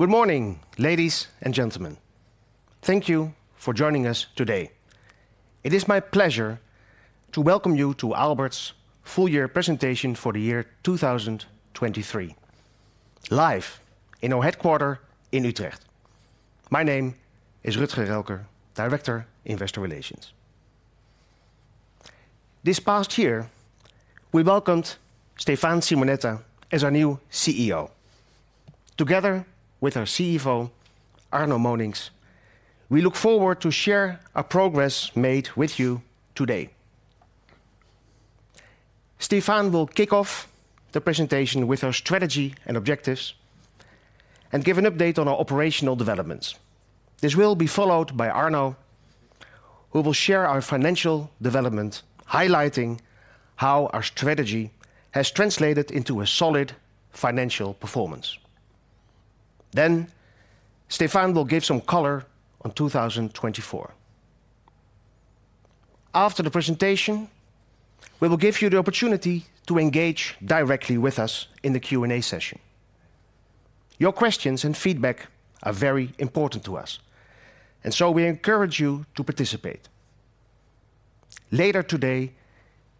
Good morning, ladies and gentlemen. Thank you for joining us today. It is my pleasure to welcome you to Aalberts full-year presentation for the year 2023, live in our headquarters in Utrecht. My name is Rutger Relker, Director Investor Relations. This past year, we welcomed Stéphane Simonetta as our new CEO. Together with our CFO, Arno Monincx, we look forward to share our progress made with you today. Stéphane will kick off the presentation with our strategy and objectives, and give an update on our operational developments. This will be followed by Arno, who will share our financial development, highlighting how our strategy has translated into a solid financial performance. Then Stéphane will give some color on 2024. After the presentation, we will give you the opportunity to engage directly with us in the Q&A session. Your questions and feedback are very important to us, and so we encourage you to participate. Later today,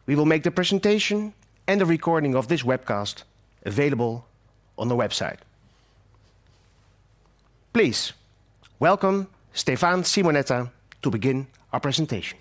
we will make the presentation and the recording of this webcast available on the website. Please welcome Stéphane Simonetta to begin our presentation.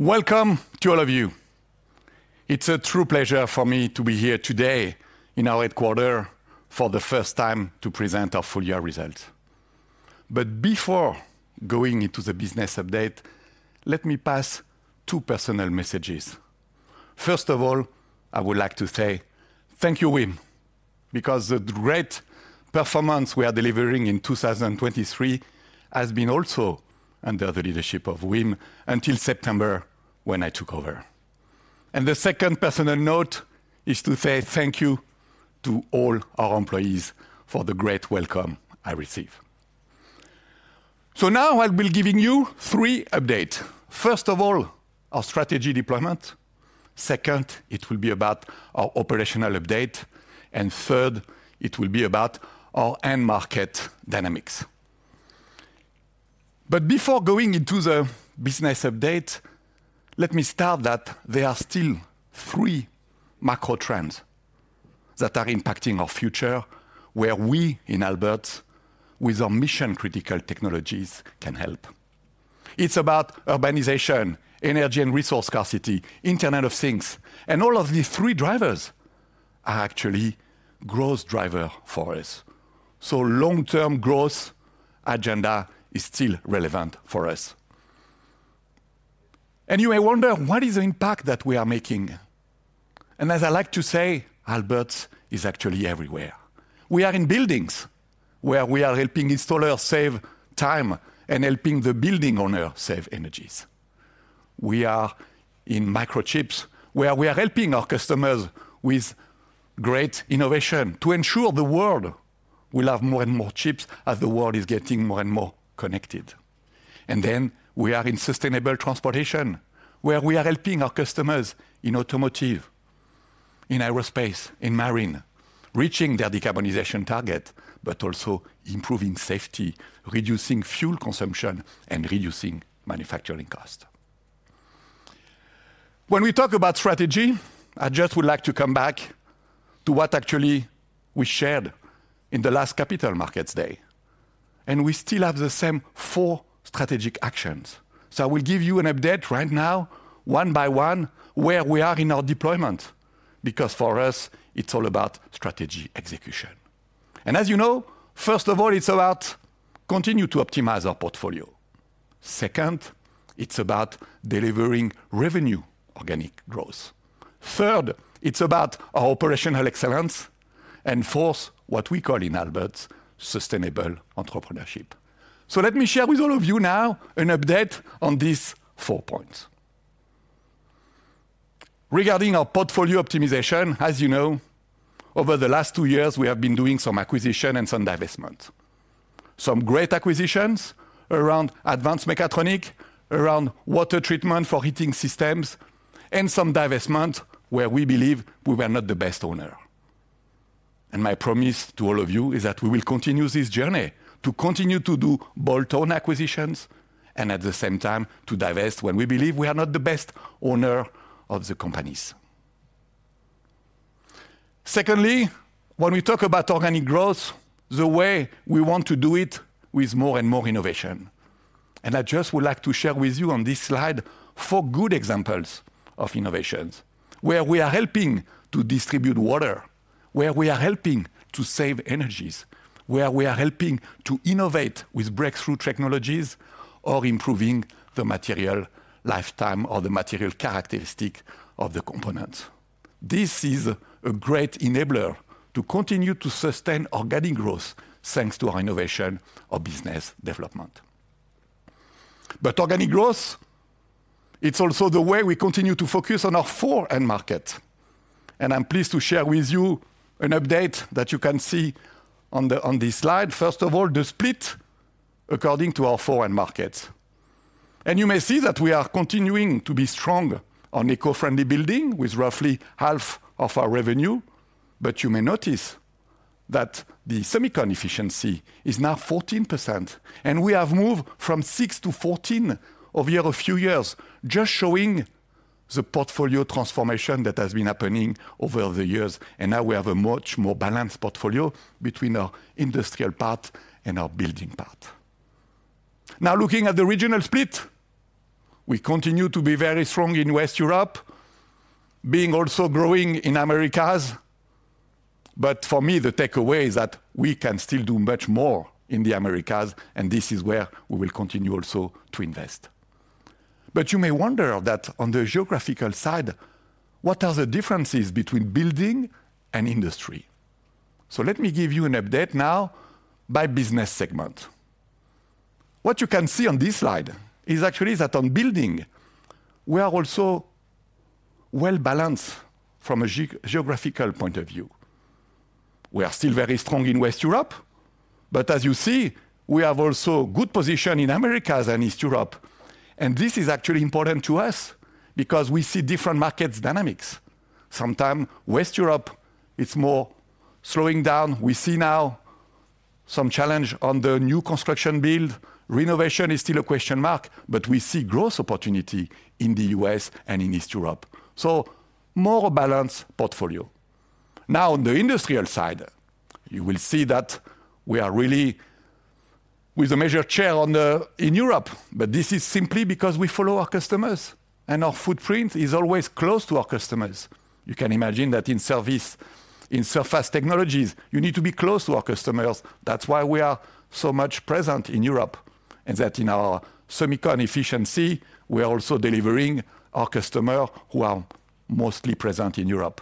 Welcome to all of you. It's a true pleasure for me to be here today in our headquarters for the first time to present our full-year results. But before going into the business update, let me pass two personal messages. First of all, I would like to say thank you, Wim, because the great performance we are delivering in 2023 has been also under the leadership of Wim until September when I took over. The second personal note is to say thank you to all our employees for the great welcome I receive. So now I will be giving you three updates. First of all, our strategy deployment. Second, it will be about our operational update. And third, it will be about our end-market dynamics. But before going into the business update, let me start that there are still three macro trends that are impacting our future, where we in Aalberts, with our mission-critical technologies, can help. It's about urbanization, energy and resource scarcity, Internet of Things. And all of these three drivers are actually growth drivers for us. So long-term growth agenda is still relevant for us. And you may wonder, what is the impact that we are making? And as I like to say, Aalberts is actually everywhere. We are in buildings, where we are helping installers save time and helping the building owner save energies. We are in microchips, where we are helping our customers with great innovation to ensure the world will have more and more chips as the world is getting more and more connected. Then we are in sustainable transportation, where we are helping our customers in automotive, in aerospace, in marine, reaching their decarbonization target, but also improving safety, reducing fuel consumption, and reducing manufacturing costs. When we talk about strategy, I just would like to come back to what actually we shared in the last Capital Markets Day. We still have the same four strategic actions. I will give you an update right now, one by one, where we are in our deployment, because for us, it's all about strategy execution. As you know, first of all, it's about continuing to optimize our portfolio. Second, it's about delivering revenue organic growth. Third, it's about our operational excellence and fourth, what we call in Aalberts, sustainable entrepreneurship. Let me share with all of you now an update on these four points. Regarding our portfolio optimization, as you know, over the last two years, we have been doing some acquisition and some divestment. Some great acquisitions around Advanced mechatronics, around water treatment for heating systems, and some divestment where we believe we were not the best owner. My promise to all of you is that we will continue this journey, to continue to do bolt-on acquisitions, and at the same time to divest when we believe we are not the best owner of the companies. Secondly, when we talk about organic growth, the way we want to do it is with more and more innovation. I just would like to share with you on this slide four good examples of innovations, where we are helping to distribute water, where we are helping to save energies, where we are helping to innovate with breakthrough technologies, or improving the material lifetime or the material characteristics of the components. This is a great enabler to continue to sustain organic growth thanks to our innovation or business development. Organic growth, it's also the way we continue to focus on our four end markets. I'm pleased to share with you an update that you can see on this slide. First of all, the split according to our four end markets. You may see that we are continuing to be strong on eco-friendly building with roughly half of our revenue. You may notice that the semicon efficiency is now 14%. We have moved from 6 to 14 over a few years, just showing the portfolio transformation that has been happening over the years. Now we have a much more balanced portfolio between our industrial part and our building part. Now, looking at the regional split, we continue to be very strong in West Europe, being also growing in Americas. But for me, the takeaway is that we can still do much more in the Americas. This is where we will continue also to invest. But you may wonder that on the geographical side, what are the differences between building and industry? Let me give you an update now by business segment. What you can see on this slide is actually that on building, we are also balanced from a geographical point of view. We are still very strong in West Europe. As you see, we have also a good position in Americas and East Europe. This is actually important to us because we see different markets' dynamics. Sometimes West Europe, it's more slowing down. We see now some challenge on the new construction build. Renovation is still a question mark. We see growth opportunity in the U.S. and in East Europe. More balanced portfolio. Now, on the industrial side, you will see that we are really with a major share in Europe. This is simply because we follow our customers. Our footprint is always close to our customers. You can imagine that in service, in Surface technologies, you need to be close to our customers. That's why we are so much present in Europe. In our semicon efficiency, we are also delivering our customers who are mostly present in Europe.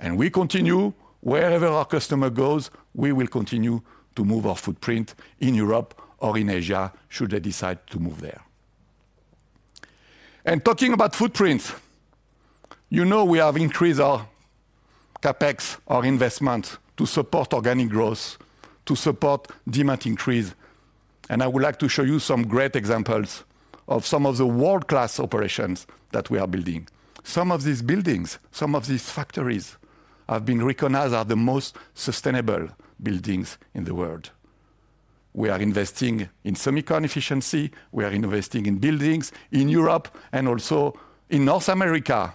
We continue, wherever our customer goes, we will continue to move our footprint in Europe or in Asia should they decide to move there. Talking about footprint, you know we have increased our CapEx, our investment to support organic growth, to support demand increase. I would like to show you some great examples of some of the world-class operations that we are building. Some of these buildings, some of these factories have been recognized as the most sustainable buildings in the world. We are investing in semicon efficiency. We are investing in buildings in Europe and also in North America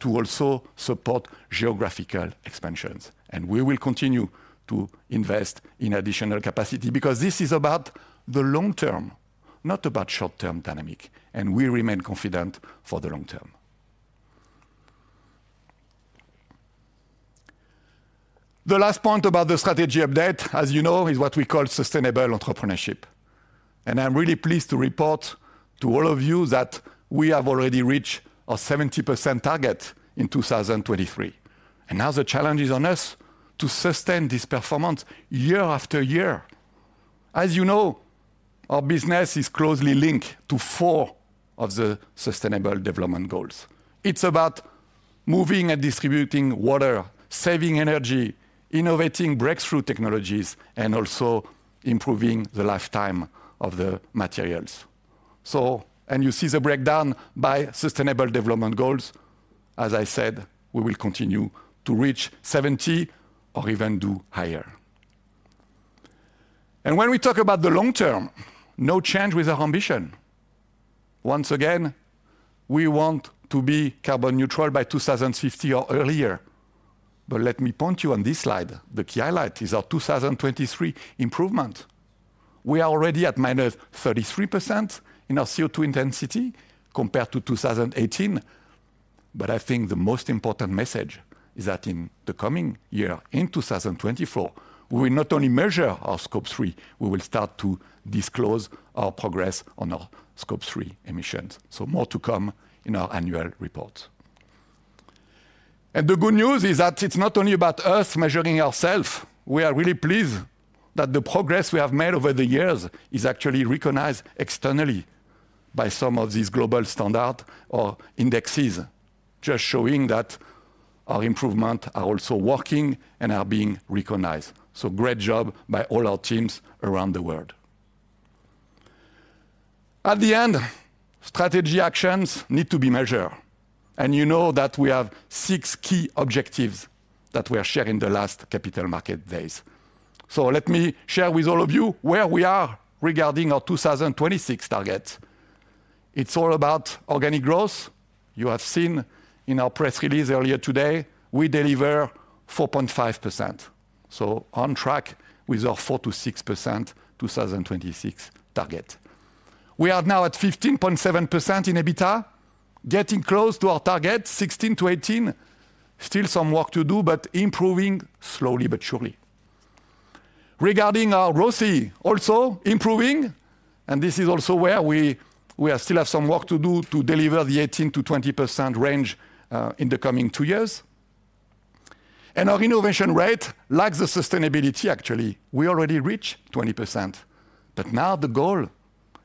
to also support geographical expansions. We will continue to invest in additional capacity because this is about the long term, not about short-term dynamic. We remain confident for the long term. The last point about the strategy update, as you know, is what we call sustainable entrepreneurship. I'm really pleased to report to all of you that we have already reached our 70% target in 2023. Now the challenge is on us to sustain this performance year after year. As you know, our business is closely linked to four of the Sustainable Development Goals. It's about moving and distributing water, saving energy, innovating breakthrough technologies, and also improving the lifetime of the materials. You see the breakdown by Sustainable Development Goals. As I said, we will continue to reach 70% or even do higher. When we talk about the long term, no change with our ambition. Once again, we want to be carbon neutral by 2050 or earlier. But let me point you on this slide. The key highlight is our 2023 improvement. We are already at -33% in our CO2 intensity compared to 2018. But I think the most important message is that in the coming year, in 2024, we will not only measure our Scope 3, we will start to disclose our progress on our Scope 3 emissions. So more to come in our annual reports. And the good news is that it's not only about us measuring ourselves. We are really pleased that the progress we have made over the years is actually recognized externally by some of these global standards or indexes, just showing that our improvements are also working and are being recognized. So great job by all our teams around the world. At the end, strategy actions need to be measured. And you know that we have six key objectives that we are sharing in the last Capital Markets Days. So let me share with all of you where we are regarding our 2026 targets. It's all about organic growth. You have seen in our press release earlier today, we deliver 4.5%. So on track with our 4%-6% 2026 target. We are now at 15.7% in EBITDA, getting close to our target, 16%-18%. Still some work to do, but improving slowly but surely. Regarding our ROCE, also improving. This is also where we still have some work to do to deliver the 18%-20% range in the coming two years. Our innovation rate, like the sustainability, actually, we already reached 20%. But now the goal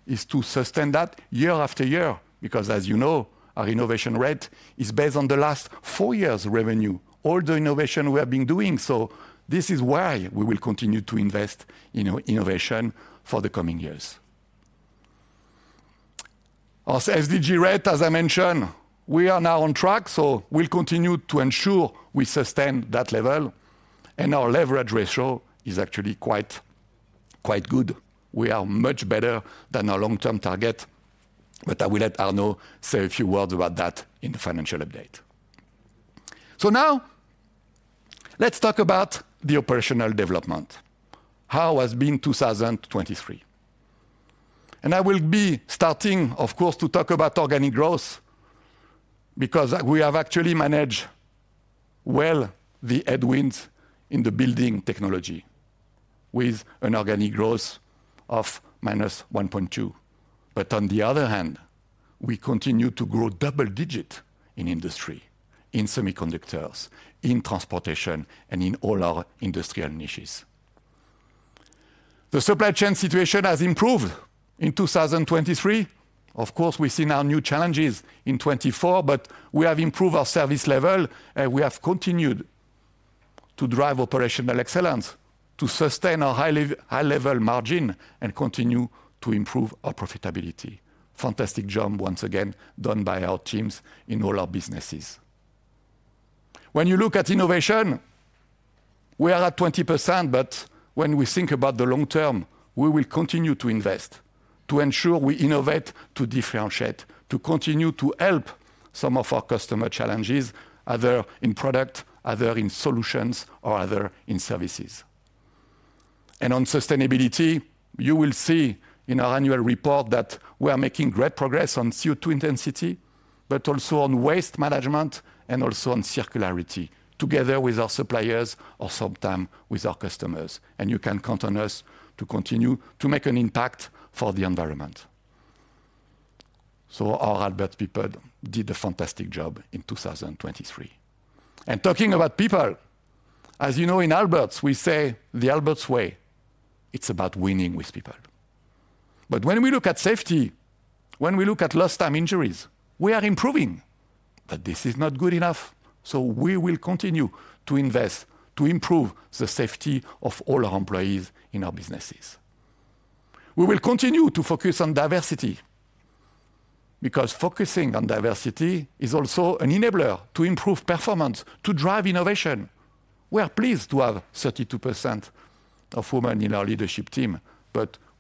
is to sustain that year after year because, as you know, our innovation rate is based on the last 4 years' revenue, all the innovation we have been doing. So this is why we will continue to invest in innovation for the coming years. Our SDG rate, as I mentioned, we are now on track. So we'll continue to ensure we sustain that level. And our leverage ratio is actually quite good. We are much better than our long-term target. But I will let Arno say a few words about that in the financial update. So now let's talk about the operational development, how has been 2023. And I will be starting, of course, to talk about organic growth because we have actually managed the headwinds in the building technology with an organic growth of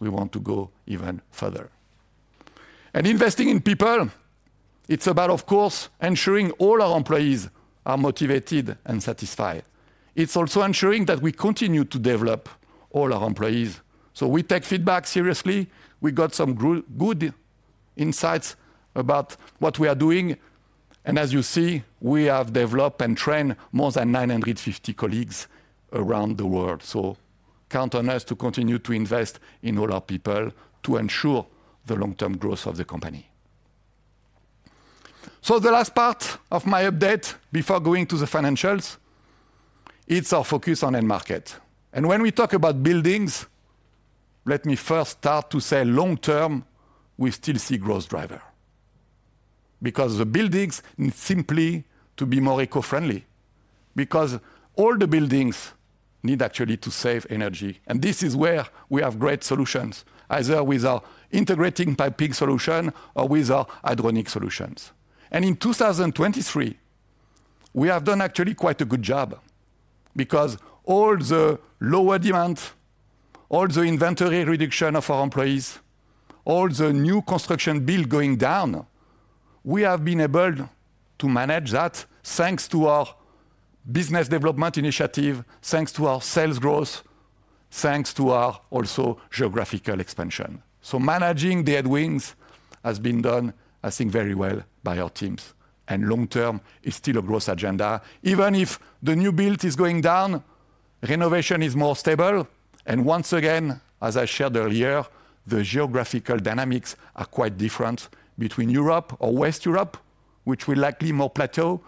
But need actually to save energy. And this is where we have great solutions, either with our integrated piping solution or with our hydronic solutions. In 2023, we have done actually quite a good job because all the lower demand, all the inventory reduction of our employees, all the new construction build going down, we have been able to manage that thanks to our business development initiative, thanks to our sales growth, thanks to our also geographical expansion. So managing the headwinds has been done, I think, very by our teams. Long term is still a growth agenda. Even if the new build is going down, renovation is more stable. And once again, as I shared earlier, the geographical dynamics are quite different between Europe or West Europe, which will likely be more plateau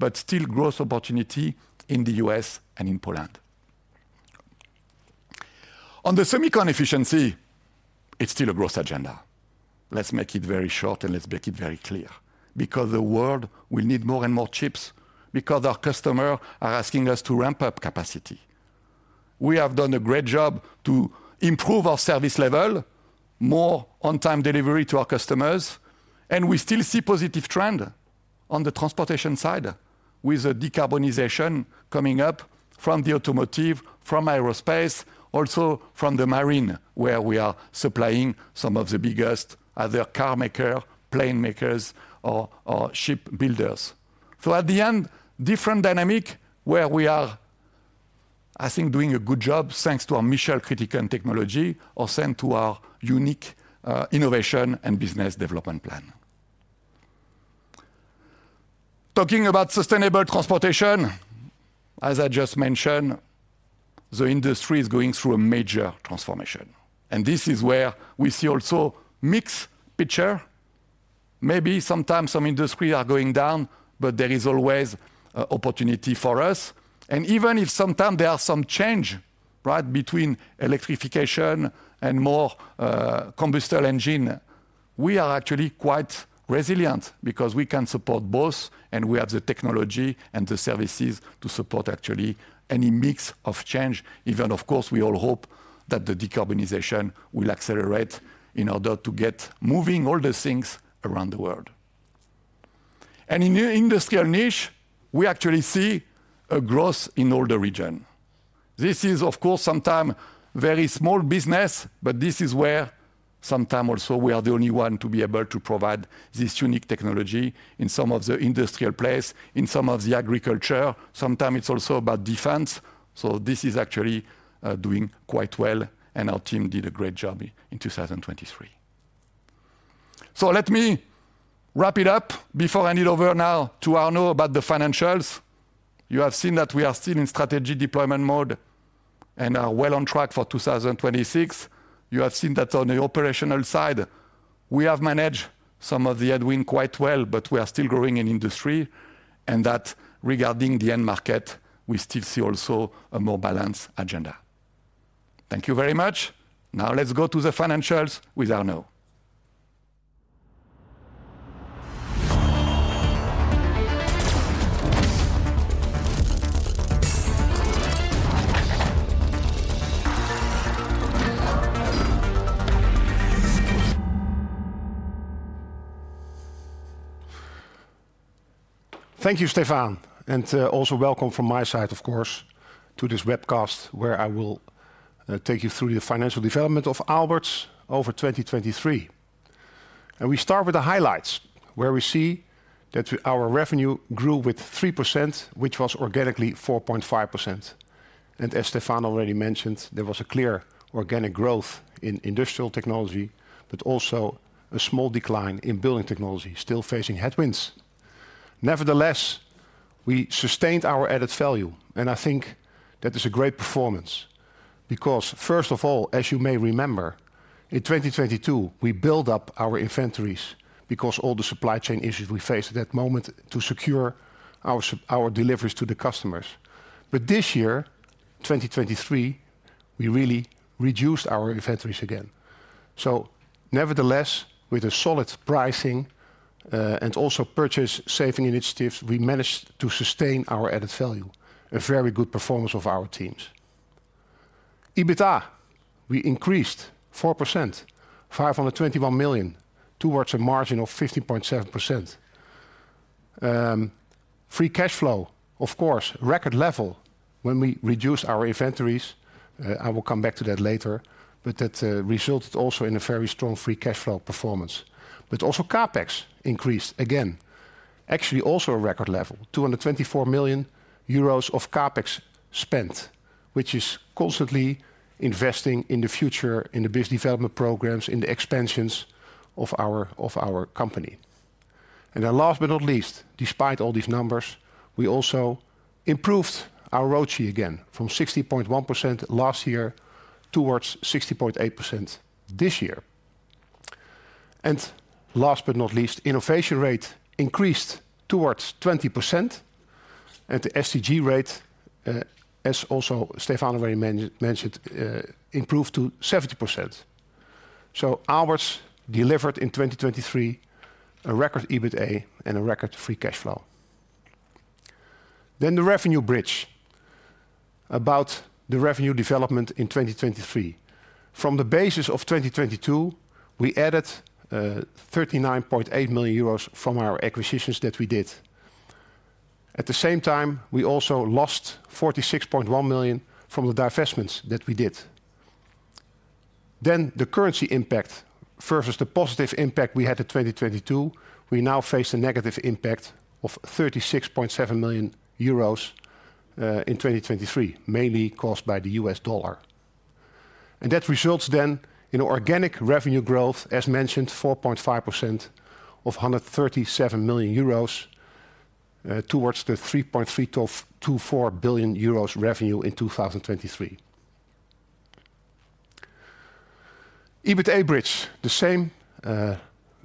but still growth opportunity in the US and in Poland. On the semicon efficiency, it's still a growth agenda. Let's make it very short. Let's make it very clear because the world will need more and more chips because our customers are asking us to ramp up capacity. We have done a great job to improve our service level, more on-time delivery to our customers. And we still see a positive trend on the transportation side with the decarbonization coming up from the automotive, from aerospace, also from the marine, where we are supplying some of the biggest, other car makers, plane makers, or ship builders. So at the end, different dynamic where we are, I think, doing a good job thanks to our mechatronics technology or thanks to our unique innovation and business development plan. Talking about sustainable transportation, as I just mentioned, the industry is going through a major transformation. And this is where we see also a mixed picture. Maybe sometimes some industries are going down. There is always an opportunity for us. Even if sometimes there are some changes between electrification and more combustion engines, we are actually quite resilient because we can support both. We have the technology and the services to support actually any mix of change. Even, of course, we all hope that the decarbonization will accelerate in order to get moving all the things around the world. In the industrial niche, we actually see a growth in all the regions. This is, of course, sometimes very small business. This is where sometimes also we are the only ones to be able to provide this unique technology in some of the industrial places, in some of the agriculture. Sometimes it's also about defense. This is actually doing quite well. Our team did a great job in 2023. So let me wrap it up before I hand over now to Arno about the financials. You have seen that we are still in strategy deployment mode and are on track for 2026. You have seen that on the operational side, we have managed some of the headwinds quite well. But we are still growing in industry. And that, regarding the end market, we still see also a more balanced agenda. Thank you very much. Now let's go to the financials with Arno. Thank you, Stéphane. And also, welcome from my side, of course, to this webcast where I will take you through the financial development of Aalberts over 2023. And we start with the highlights where we see that our revenue grew with 3%, which was organically 4.5%. As Stéphane already mentioned, there was a clear organic growth in industrial technology but also a small decline in Building Technology, still facing headwinds. Nevertheless, we sustained our added value. I think that is a great performance because, first of all, as you may remember, in 2022, we built up our inventories because of all the supply chain issues we faced at that moment to secure our deliveries to the customers. This year, 2023, we really reduced our inventories again. Nevertheless, with a solid pricing and also purchase-saving initiatives, we managed to sustain our added value, a very good performance of our teams. EBITDA, we increased 4%, 521 million, towards a margin of 15.7%. Free cash flow, of course, record level when we reduced our inventories. I will come back to that later. That resulted also in a very strong free cash flow performance. But also CAPEX increased again, actually also a record level, 224 million euros of CAPEX spent, which is constantly investing in the future, in the business development programs, in the expansions of our company. And then last but not least, despite all these numbers, we also improved our ROCE again from 60.1% last year towards 60.8% this year. And last but not least, the innovation rate increased towards 20%. And the SDG rate, as also Stéphane already mentioned, improved to 70%. So Aalberts delivered in 2023 a record EBITDA and a record free cash flow. Then the revenue bridge, about the revenue development in 2023. From the basis of 2022, we added 39.8 million euros from our acquisitions that we did. At the same time, we also lost 46.1 million from the divestments that we did. Then the currency impact versus the positive impact we had in 2022, we now face a negative impact of 36.7 million euros in 2023, mainly caused by the US dollar. That results then in organic revenue growth, as mentioned, 4.5% of 137 million euros towards the 3.324 billion euros revenue in 2023. EBITDA bridge, the same,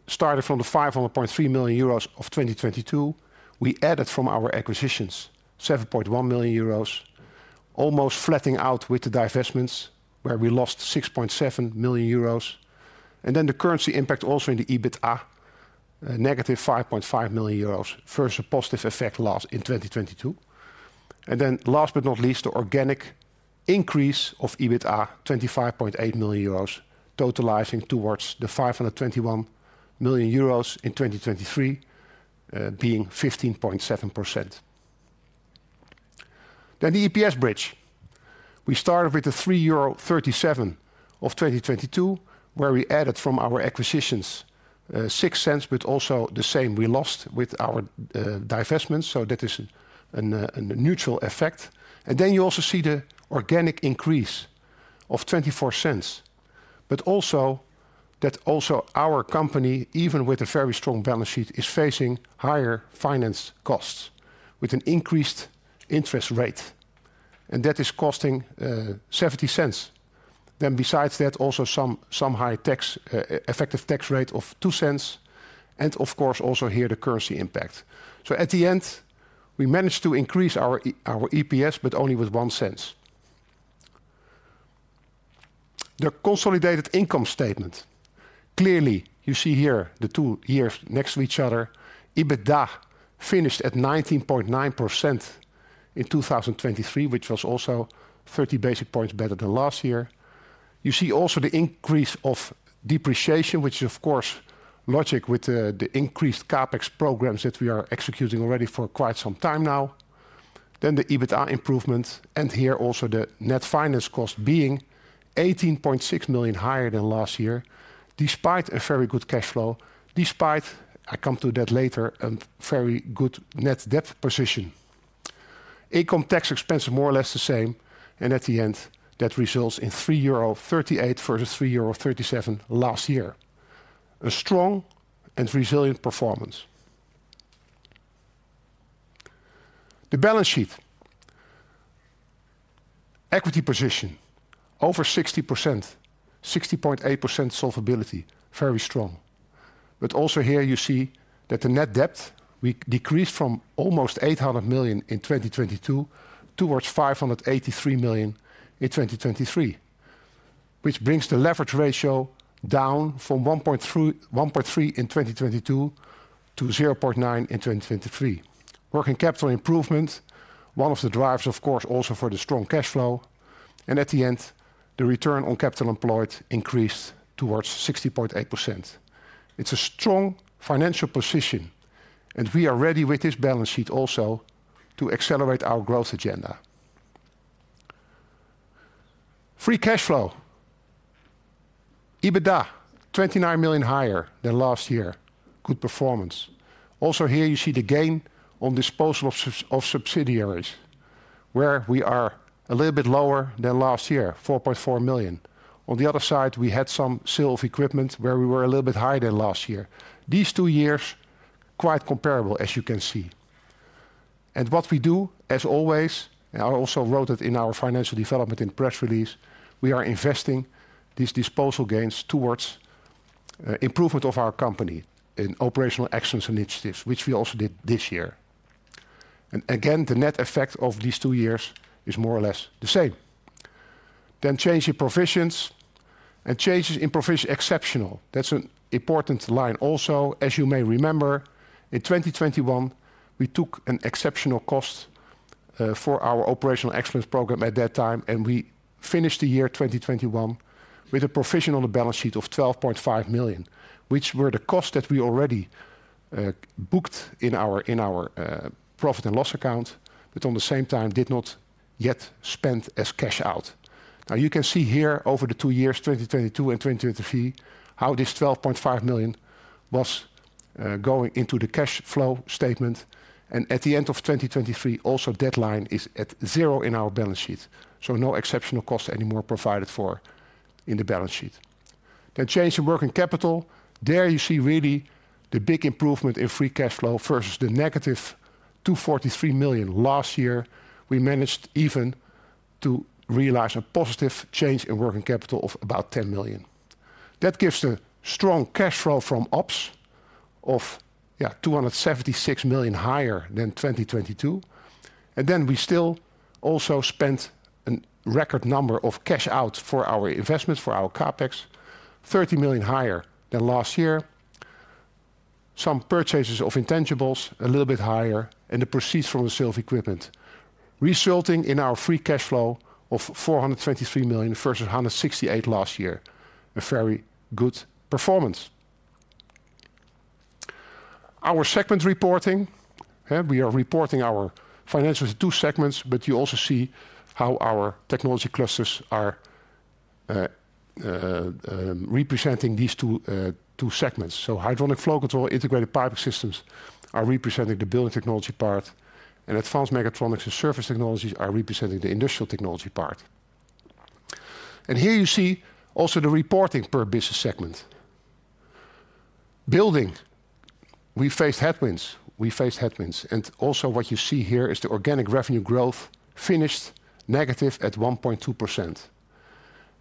started from the 500.3 million euros of 2022. We added from our acquisitions 7.1 million euros, almost flattening out with the divestments where we lost 6.7 million euros. Then the currency impact also in the EBITDA, negative 5.5 million euros versus a positive effect loss in 2022. Then last but not least, the organic increase of EBITDA, 25.8 million euros, totalizing towards the 521 million euros in 2023, being 15.7%. Then the EPS bridge. We started with the 3.37% of 2022 where we added from our acquisitions 0.06%. But also the same, we lost with our divestments. So that is a neutral effect. And then you also see the organic increase of 0.24%. But also that also our company, even with a very strong balance sheet, is facing higher finance costs with an increased interest rate. And that is costing 0.70%. Then besides that, also some high effective tax rate of 0.02%. And of course, also here, the currency impact. So at the end, we managed to increase our EPS but only with 0.01%. The consolidated income statement, clearly, you see here the two years next to each other. EBITDA finished at 19.9% in 2023, which was also 30 basis points better than last year. You see also the increase of depreciation, which is, of course, logical with the increased CAPEX programs that we are executing already for quite some time now. Then the EBITDA improvement. Here also the net finance cost being 18.6 million higher than last year despite a very good cash flow, despite, I come to that later, a very good net debt position. Income tax expense is more or less the same. At the end, that results in 3.38% versus 3.37% last year, a strong and resilient performance. The balance sheet, equity position, over 60%, 60.8% solvability, very strong. Also here, you see that the net debt decreased from almost 800 million in 2022 towards 583 million in 2023, which brings the leverage ratio down from 1.3% in 2022 to 0.9% in 2023. Working capital improvement, one of the drivers, of course, also for the strong cash flow. At the end, the return on capital employed increased towards 60.8%. It's a strong financial position. We are ready with this balance sheet also to accelerate our growth agenda. Free cash flow, EBITDA, 29 million higher than last year, good performance. Also here, you see the gain on disposal of subsidiaries where we are a little bit lower than last year, 4.4 million. On the other side, we had some sale of equipment where we were a little bit higher than last year. These two years, quite comparable, as you can see. And what we do, as always, and I also wrote it in our financial development in press release, we are investing these disposal gains towards improvement of our company in operational excellence initiatives, which we also did this year. And again, the net effect of these two years is more or less the same. Then change in provisions and changes in provision exceptional. That's an important line also. As you may remember, in 2021, we took an exceptional cost for our operational excellence program at that time. We finished the year 2021 with a provision on the balance sheet of 12.5 million, which were the costs that we already booked in our profit and loss account but at the same time did not yet spend as cash out. Now you can see here over the two years, 2022 and 2023, how this 12.5 million was going into the cash flow statement. At the end of 2023, also deadline is at zero in our balance sheet. So no exceptional costs anymore provided for in the balance sheet. Change in working capital. There you see really the big improvement in free cash flow versus the negative 243 million last year. We managed even to realize a positive change in working capital of about 10 million. That gives a strong cash flow from ops of 276 million higher than 2022. And then we still also spent a record number of cash out for our investments, for our CAPEX, 30 million higher than last year. Some purchases of intangibles, a little bit higher. And the proceeds from the sale of equipment resulting in our free cash flow of 423 million versus 168 million last year, a very good performance. Our segment reporting, we are reporting our financials in two segments. But you also see how our technology clusters are representing these two segments. So Hydronic Flow Control integrated piping systems are representing the Building Technology part. And Advanced Mechatronics and surface technologies are representing the industrial technology part. And here you see also the reporting per business segment. Building, we faced headwinds. We faced headwinds. And also what you see here is the organic revenue growth finished negative at 1.2%.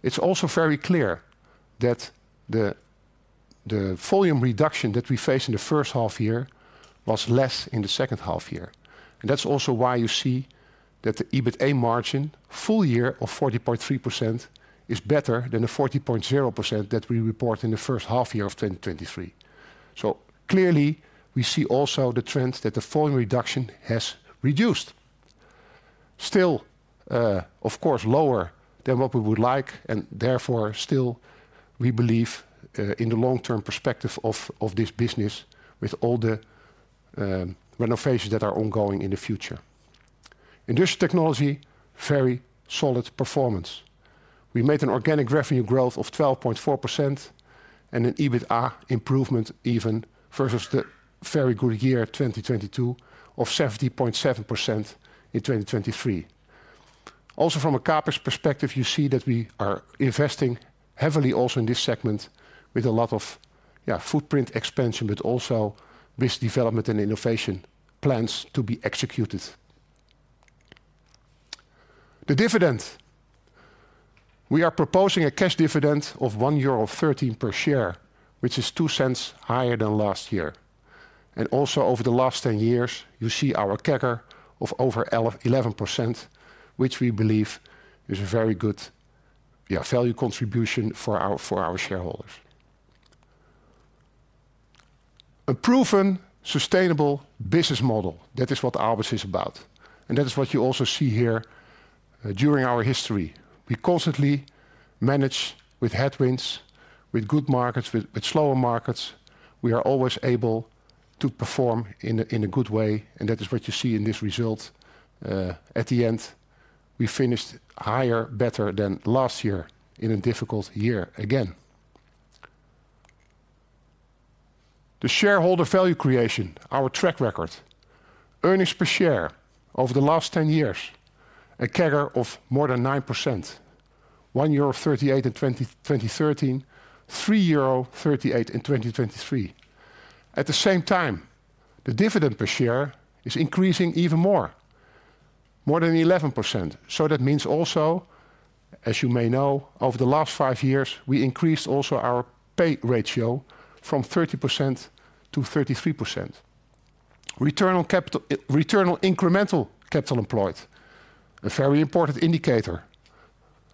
It's also very clear that the volume reduction that we faced in the Q1 year was less in the H1 year. That's also why you see that the EBITDA margin, full year of 40.3%, is better than the 40.0% that we report in the H1 year of 2023. Clearly, we see also the trend that the volume reduction has reduced, still, of course, lower than what we would like. Therefore, still, we believe in the long-term perspective of this business with all the renovations that are ongoing in the future. Industrial technology, very solid performance. We made an organic revenue growth of 12.4% and an EBITDA improvement even versus the very good year 2022 of 70.7% in 2023. Also from a CAPEX perspective, you see that we are investing heavily also in this segment with a lot of footprint expansion but also business development and innovation plans to be executed. The dividend, we are proposing a cash dividend of 1.13% per share, which is 0.02% higher than last year. And also over the last 10 years, you see our CAGR of over 11%, which we believe is a very good value contribution for our shareholders. A proven, sustainable business model, that is what Aalberts is about. And that is what you also see here during our history. We constantly manage with headwinds, with good markets, with slower markets. We are always able to perform in a good way. And that is what you see in this result at the end. We finished higher, better than last year in a difficult year again. The shareholder value creation, our track record, earnings per share over the last 10 years, a CAGR of more than 9%, 1.38% in 2013, 3.38% in 2023. At the same time, the dividend per share is increasing even more, more than 11%. So that means also, as you may know, over the last 5 years, we increased also our pay ratio from 30%-33%. Return on incremental capital employed, a very important indicator,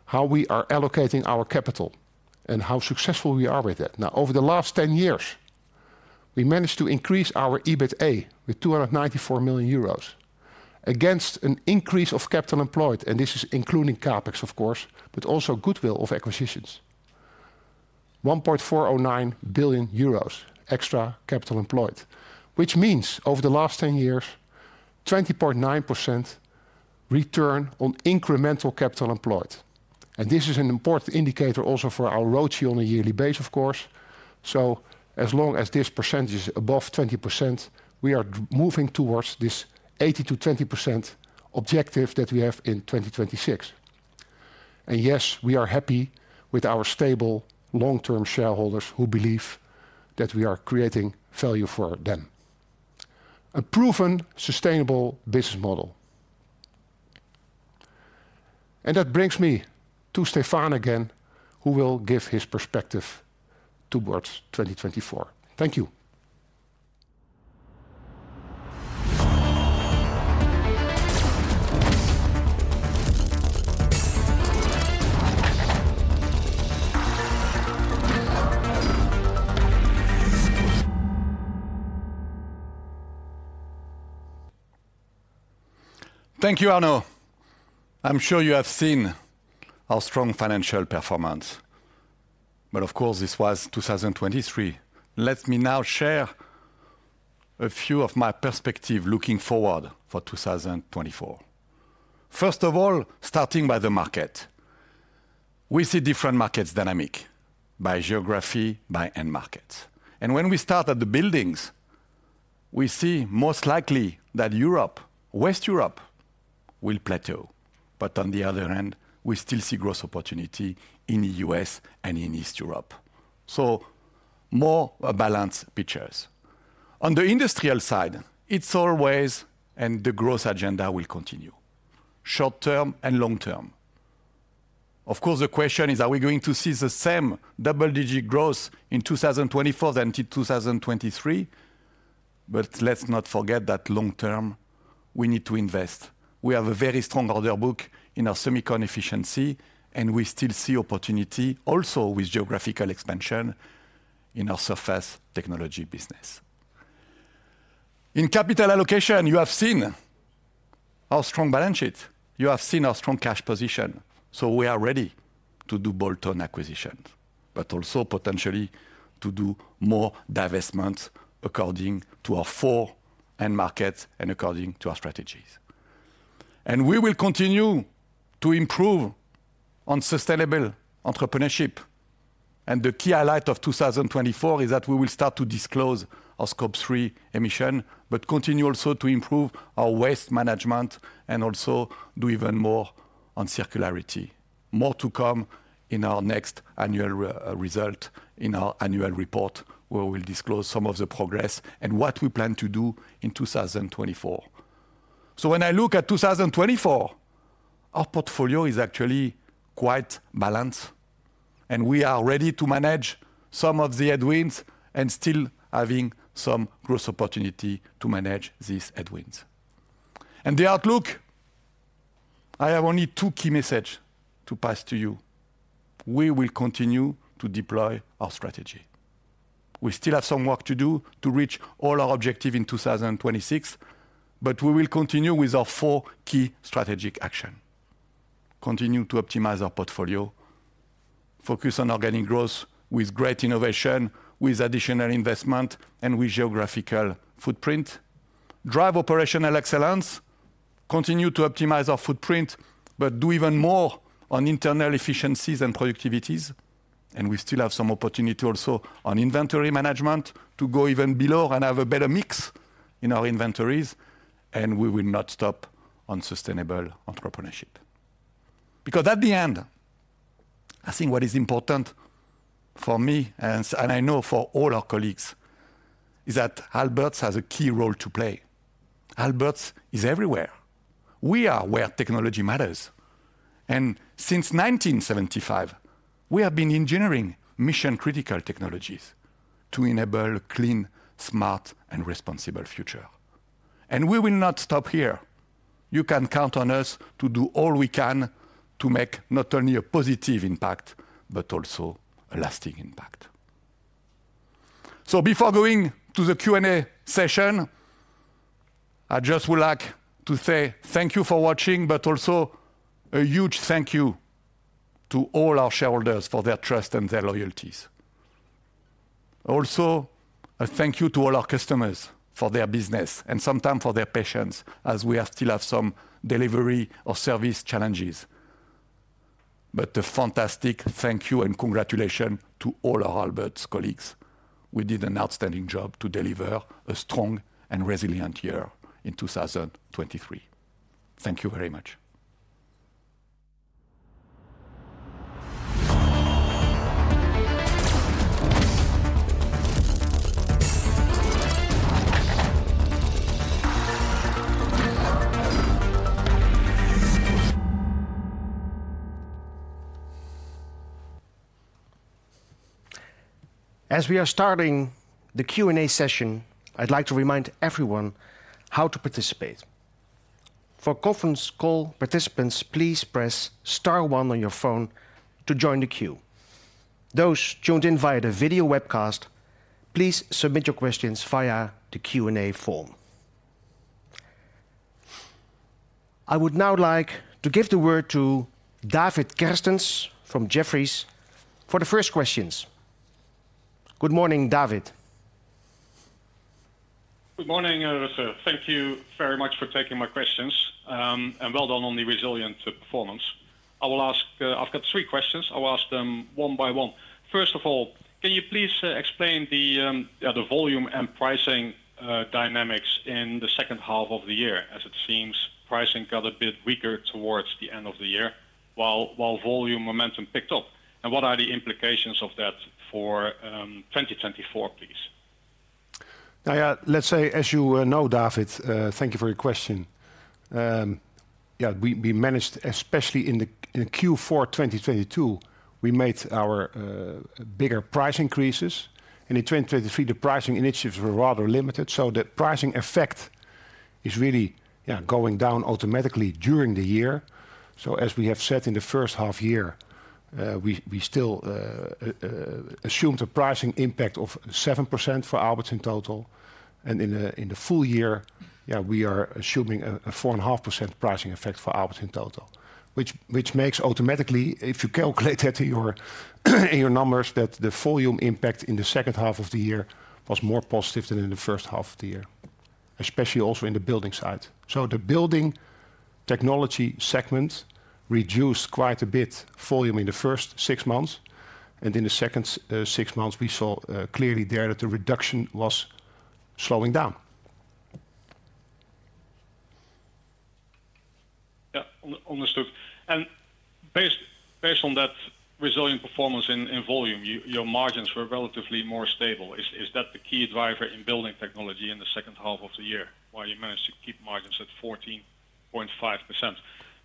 how we are allocating our capital and how successful we are with that. Now, over the last 10 years, we managed to increase our EBITDA with 294 million euros against an increase of capital employed. And this is including CAPEX, of course, but also goodwill of acquisitions, 1.409 billion euros extra capital employed, which means over the last 10 years, 20.9% return on incremental capital employed. This is an important indicator also for our ROCE on a yearly basis, of course. So as long as this percentage is above 20%, we are moving towards this 80%-20% objective that we have in 2026. And yes, we are happy with our stable, long-term shareholders who believe that we are creating value for them. A proven, sustainable business model. And that brings me to Stéphane again, who will give his perspective towards 2024. Thank you. Thank you, Arno. I'm sure you have seen our strong financial performance. But of course, this was 2023. Let me now share a few of my perspectives looking forward for 2024. First of all, starting by the market, we see different markets dynamic by geography, by end markets. And when we start at the buildings, we see most likely that Europe, West Europe, will plateau. On the other hand, we still see growth opportunity in the U.S. and in East Europe. More balanced pictures. On the industrial side, it's always and the growth agenda will continue, short term and long term. Of course, the question is, are we going to see the same double-digit growth in 2024 than in 2023? Let's not forget that long term, we need to invest. We have a very strong order book in our semiconductor efficiency. We still see opportunity also with geographical expansion in our surface technologies business. In capital allocation, you have seen our strong balance sheet. You have seen our strong cash position. We are ready to do bolt-on acquisitions but also potentially to do more divestments according to our four end markets and according to our strategies. We will continue to improve on sustainable entrepreneurship. The key highlight of 2024 is that we will start to disclose our Scope 3 emissions but continue also to improve our waste management and also do even more on circularity. More to come in our next annual result, in our annual report, where we'll disclose some of the progress and what we plan to do in 2024. So when I look at 2024, our portfolio is actually quite balanced. We are ready to manage some of the headwinds and still having some growth opportunity to manage these headwinds. The outlook, I have only two key messages to pass to you. We will continue to deploy our strategy. We still have some work to do to reach all our objectives in 2026. But we will continue with our four key strategic actions: continue to optimize our portfolio, focus on organic growth with great innovation, with additional investment, and with geographical footprint, drive operational excellence, continue to optimize our footprint but do even more on internal efficiencies and productivities. We still have some opportunity also on inventory management to go even below and have a better mix in our inventories. We will not stop on sustainable entrepreneurship. Because at the end, I think what is important for me and I know for all our colleagues is that Aalberts has a key role to play. Aalberts is everywhere. We are where technology matters. Since 1975, we have been engineering mission-critical technologies to enable a clean, smart, and responsible future. We will not stop here. You can count on us to do all we can to make not only a positive impact As we are starting the Q&A session, I'd like to remind everyone how to participate. For conference call participants, please press star 1 on your phone to join the queue. Those tuned in via the video webcast, please submit your questions via the Q&A form. I would now like to give the word to David Kerstens from Jefferies for the first questions. Good morning, David. Good morning, Rutger. Thank you very much for taking my questions. And well done on the resilient performance. I will ask I've got three questions. I will ask them one by one. First of all, can you please explain the volume and pricing dynamics in the H1 of the year? As it seems, pricing got a bit weaker towards the end of the year while volume momentum picked up. And what are the implications of that for 2024, please? Let's say, as you know, David, thank you for your question. We managed especially in Q4 2022, we made our bigger price increases. And in 2023, the pricing initiatives were rather limited. The pricing effect is really going down automatically during the year. As we have said in the H1 year, we still assumed a pricing impact of 7% for Aalberts in total. In the full year, we are assuming a 4.5% pricing effect for Aalberts in total, which makes automatically, if you calculate that in your numbers, that the volume impact in the H1 of the year was more positive than in the H1 of the year, especially also in the building side. The building technology segment reduced quite a bit volume in the first six months. In the second six months, we saw clearly there that the reduction was slowing down. Understood. Based on that resilient performance in volume, your margins were relatively more stable. Is that the key driver in Building Bechnology in the H1 of the year while you managed to keep margins at 14.5%?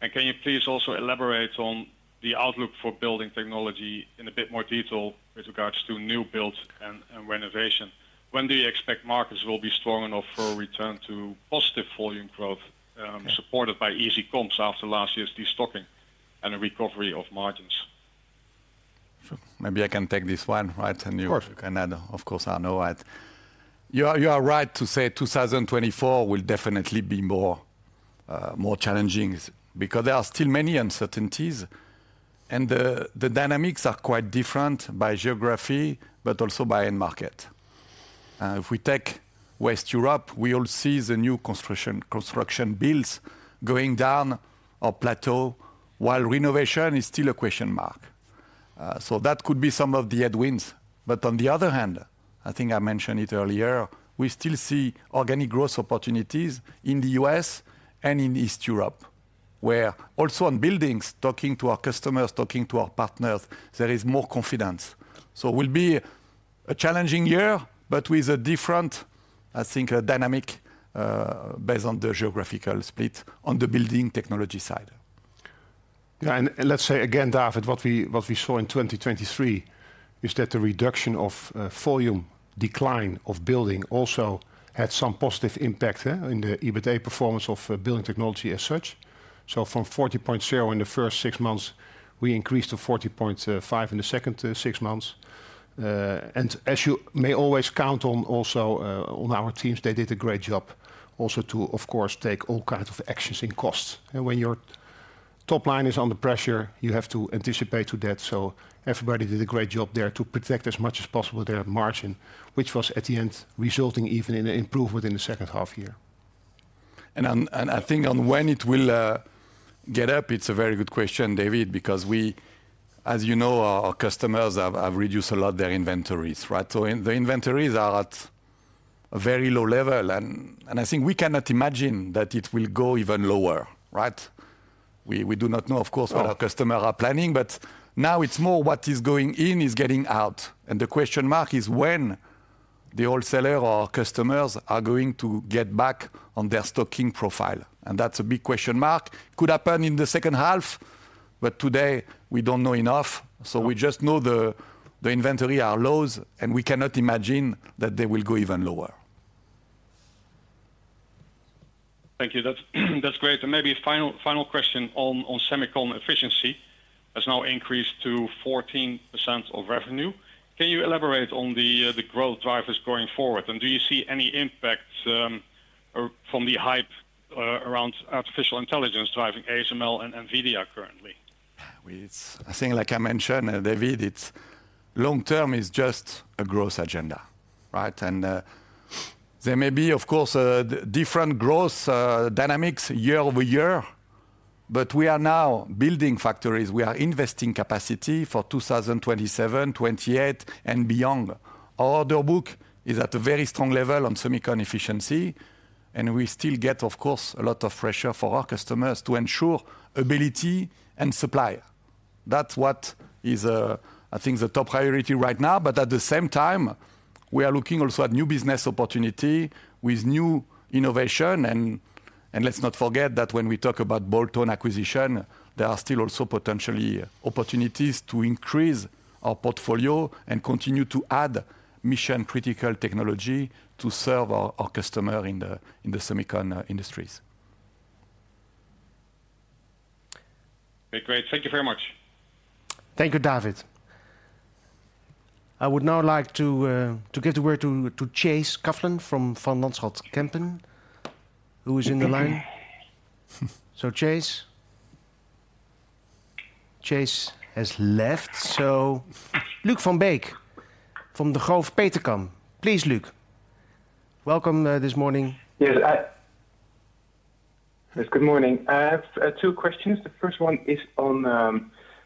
And can you please also elaborate on the outlook for Building Technology in a bit more detail with regards to new builds and renovation? When do you expect markets will be strong enough for a return to positive volume growth supported by easy comps after last year's destocking and a recovery of margins? Maybe I can take this one, right? And you can add, of course, Arno, right? You are right to say 2024 will definitely be more challenging because there are still many uncertainties. And the dynamics are quite different by geography but also by end market. If we take West Europe, we all see the new construction builds going down or plateau while renovation is still a question mark. So that could be some of the headwinds. But on the other hand, I think I mentioned it earlier, we still see organic growth opportunities in the U.S. and in East Europe, where also on buildings, talking to our customers, talking to our partners, there is more confidence. So it will be a challenging year but with a different, I think, dynamic based on the geographical split on the Building Technology side. And let's say, again, David, what we saw in 2023 is that the reduction of volume, decline of building also had some positive impact in the EBITDA performance of Building Technology as such. So from 40.0 in the first six months, we increased to 40.5 in the second six months. And as you may always count on also on our teams, they did a great job also to, of course, take all kinds of actions in cost. When your top line is under pressure, you have to anticipate that. So everybody did a great job there to protect as much as possible their margin, which was at the end resulting even in an improvement in the H1 year. And I think on when it will get up, it's a very good question, David, because we, as you know, our customers have reduced a lot their inventories, right? So the inventories are at a very low level. And I think we cannot imagine that it will go even lower, right? We do not know, of course, what our customers are planning. But now it's more what is going in is getting out. And the question mark is when the wholesaler or our customers are going to get back on their stocking profile. And that's a big question mark. It could happen in the H1. Today, we don't know enough. So we just know the inventory are low. And we cannot imagine that they will go even lower. Thank you. That's great. Maybe final question on semiconductor efficiency. It's now increased to 14% of revenue. Can you elaborate on the growth drivers going forward? Do you see any impact from the hype around artificial intelligence driving ASML and NVIDIA currently? I think, like I mentioned, David, long term is just a growth agenda, right? And there may be, of course, different growth dynamics year over year. We are now building factories. We are investing capacity for 2027, 2028, and beyond. Our order book is at a very strong level on semiconductor efficiency. And we still get, of course, a lot of pressure for our customers to ensure ability and supply. That's what is, I think, the top priority right now. But at the same time, we are looking also at new business opportunity with new innovation. And let's not forget that when we talk about bolt-on acquisition, there are still also potentially opportunities to increase our portfolio and continue to add mission-critical technology to serve our customers in the semiconductor industries. Great. Great. Thank you very much. Thank you, David. I would now like to give the word to Chase Mayfield from Van Lanschot Kempen, who is in the line. So Chase. Chase has left. So Luuk van Beek from De Groof Petercam, please, Luuk. Welcome this morning. Yes. Yes, good morning. I have two questions. The first one is on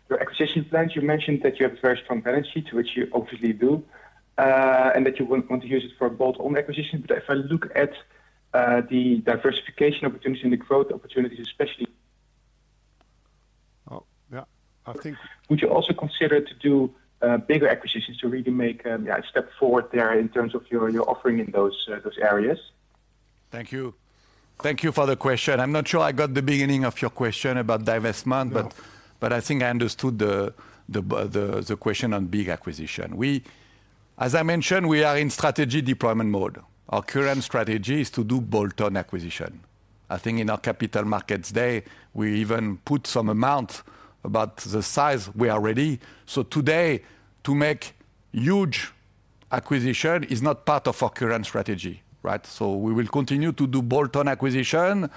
your acquisition plans. You mentioned that you have a very strong balance sheet, which you obviously do, and that you want to use it for bolt-on acquisitions. But if I look at the diversification opportunities and the growth opportunities, especially. I think, would you also consider to do bigger acquisitions to really make a step forward there in terms of your offering in those areas? Thank you. Thank you for the question. I'm not sure I got the beginning of your question about divestment. But I think I understood the question on big acquisition. As I mentioned, we are in strategy deployment mode. Our current strategy is to do bolt-on acquisition. I think in our Capital Markets Day, we even put some amount about the size we are ready. So today, to make huge acquisition is not part of our current strategy, right? So we will continue to do bolt-on acquisition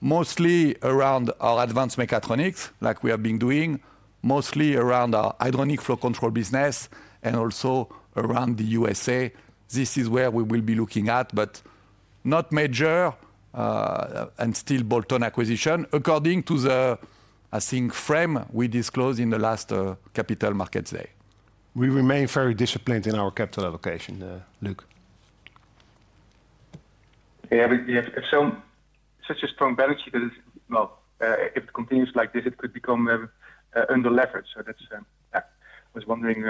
mostly around our Advanced Mechatronics, like we have been doing, mostly around our Hydronic Flow Control business and also around the USA. This is where we will be looking at, but not major and still bolt-on acquisition according to the, I think, frame we disclosed in the last Capital Markets Day. We remain very disciplined in our capital allocation, Luuk. But with such a strong balance sheet that is, if it continues like this, it could become underleveraged. So that's, I was wondering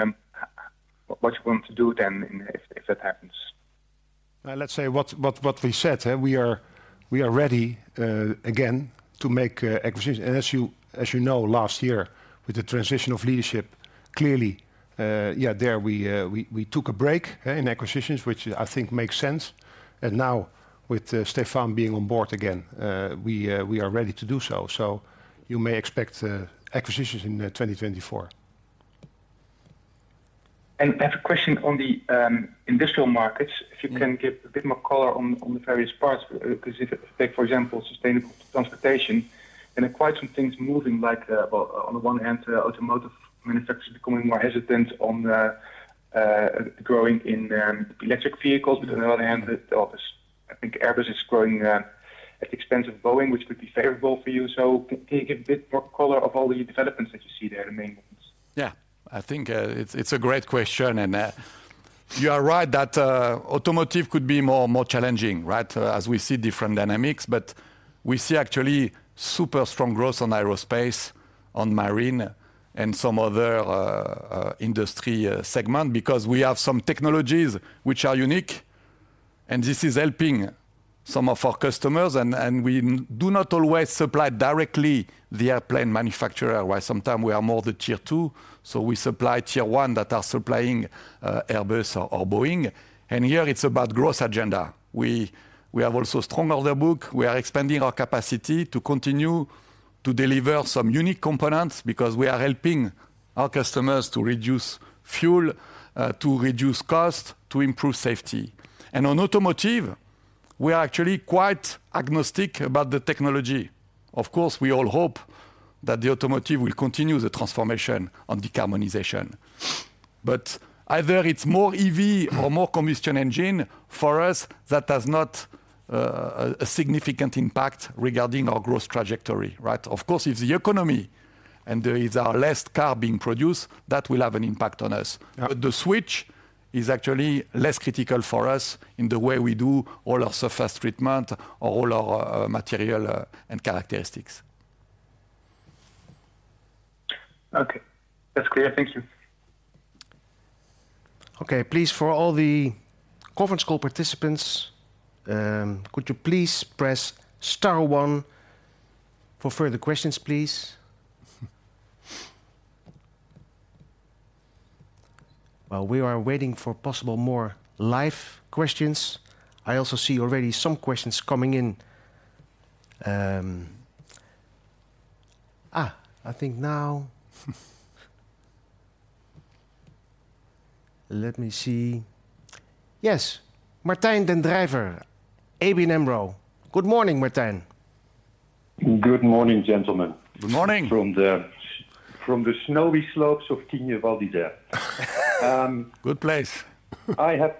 what you want to do then if that happens. Let's say what we said, we are ready again to make acquisitions. And as you know, last year, with the transition of leadership, clearly, there we took a break in acquisitions, which I think makes sense. And now with Stéphane being on board again, we are ready to do so. So you may expect acquisitions in 2024. And I have a question on the industrial markets, if you can give a bit more color on the various parts. Because if you take, for example, sustainable transportation, then quite some things moving like on the one hand, automotive manufacturers becoming more hesitant on growing in electric vehicles. But on the other hand, I think Airbus is growing at the expense of Boeing, which could be favorable for you. So can you give a bit more color of all the developments that you see there, the main ones? I think it's a great question. And you are right that automotive could be more challenging, right, as we see different dynamics. But we see actually super strong growth on aerospace, on marine, and some other industry segment because we have some technologies which are unique. And this is helping some of our customers. We do not always supply directly the airplane manufacturer, right? Sometimes we are more the tier two. We supply tier one that are supplying Airbus or Boeing. Here, it's about growth agenda. We have also a strong order book. We are expanding our capacity to continue to deliver some unique components because we are helping our customers to reduce fuel, to reduce cost, to improve safety. On automotive, we are actually quite agnostic about the technology. Of course, we all hope that the automotive will continue the transformation on decarbonization. Either it's more EV or more combustion engine for us, that has not a significant impact regarding our growth trajectory, right? Of course, if the economy and if there are less cars being produced, that will have an impact on us. But the switch is actually less critical for us in the way we do all our surface treatment or all our material and characteristics. Okay. That's clear. Thank you. Okay. Please, for all the conference call participants, could you please press star one for further questions, please? While we are waiting for possible more live questions, I also see already some questions coming in. I think now let me see. Yes. Martijn den Drijver, ABN AMRO. Good morning, Martijn. Good morning, gentlemen. Good morning. From the snowy slopes of Tignes Val d'Isère. Good place. I have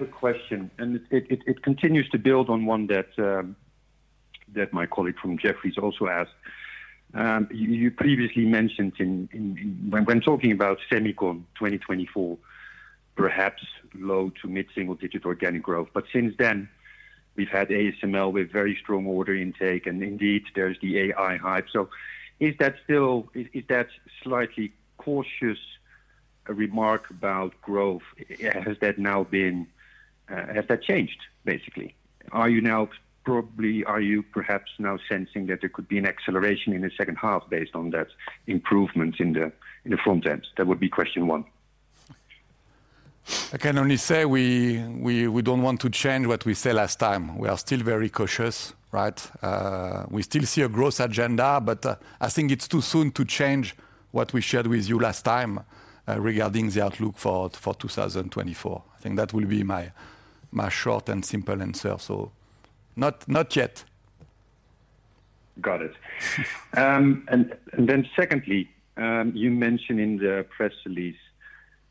a question. And it continues to build on one that my colleague from Jefferies also asked. You previously mentioned when talking about semiconductor 2024, perhaps low to mid-single digit organic growth. But since then, we've had ASML with very strong order intake. And indeed, there's the AI hype. So, is that still the slightly cautious remark about growth? Has that now changed, basically? Are you perhaps now sensing that there could be an acceleration in the H1 based on that improvement in the front end? That would be question one. I can only say we don't want to change what we said last time. We are still very cautious, right? We still see a growth agenda. But I think it's too soon to change what we shared with you last time regarding the outlook for 2024. I think that will be my short and simple answer. So not yet. Got it. And then secondly, you mentioned in the press release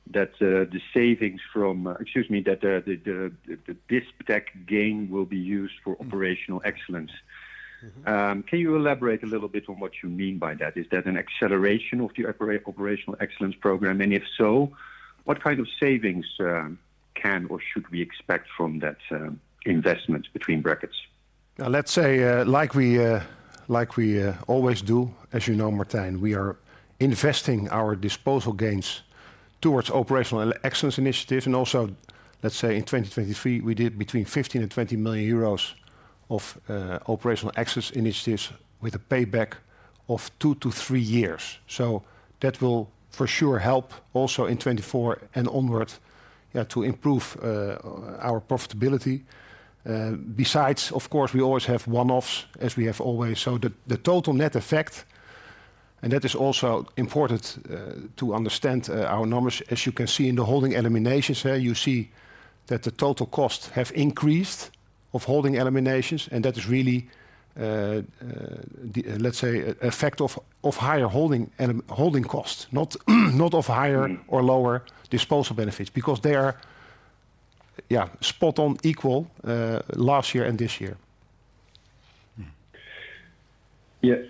that the savings from, excuse me, that the Distech gain will be used for operational excellence. Can you elaborate a little bit on what you mean by that? Is that an acceleration of the operational excellence program? And if so, what savings can or should we expect from that investment? Let's say, like we always do, as you know, Martijn, we are investing our disposal gains towards operational excellence initiatives. And also, let's say, in 2023, we did between 15 million and 20 million euros of operational excellence initiatives with a payback of 2-3 years. So that will for sure help also in 2024 and onward to improve our profitability. Besides, of course, we always have one-offs, as we have always. So the total net effect and that is also important to understand our numbers. As you can see in the holding eliminations, you see that the total costs have increased of holding eliminations. That is really, let's say, an effect of higher holding costs, not of higher or lower disposal benefits because they are spot-on equal last year and this year.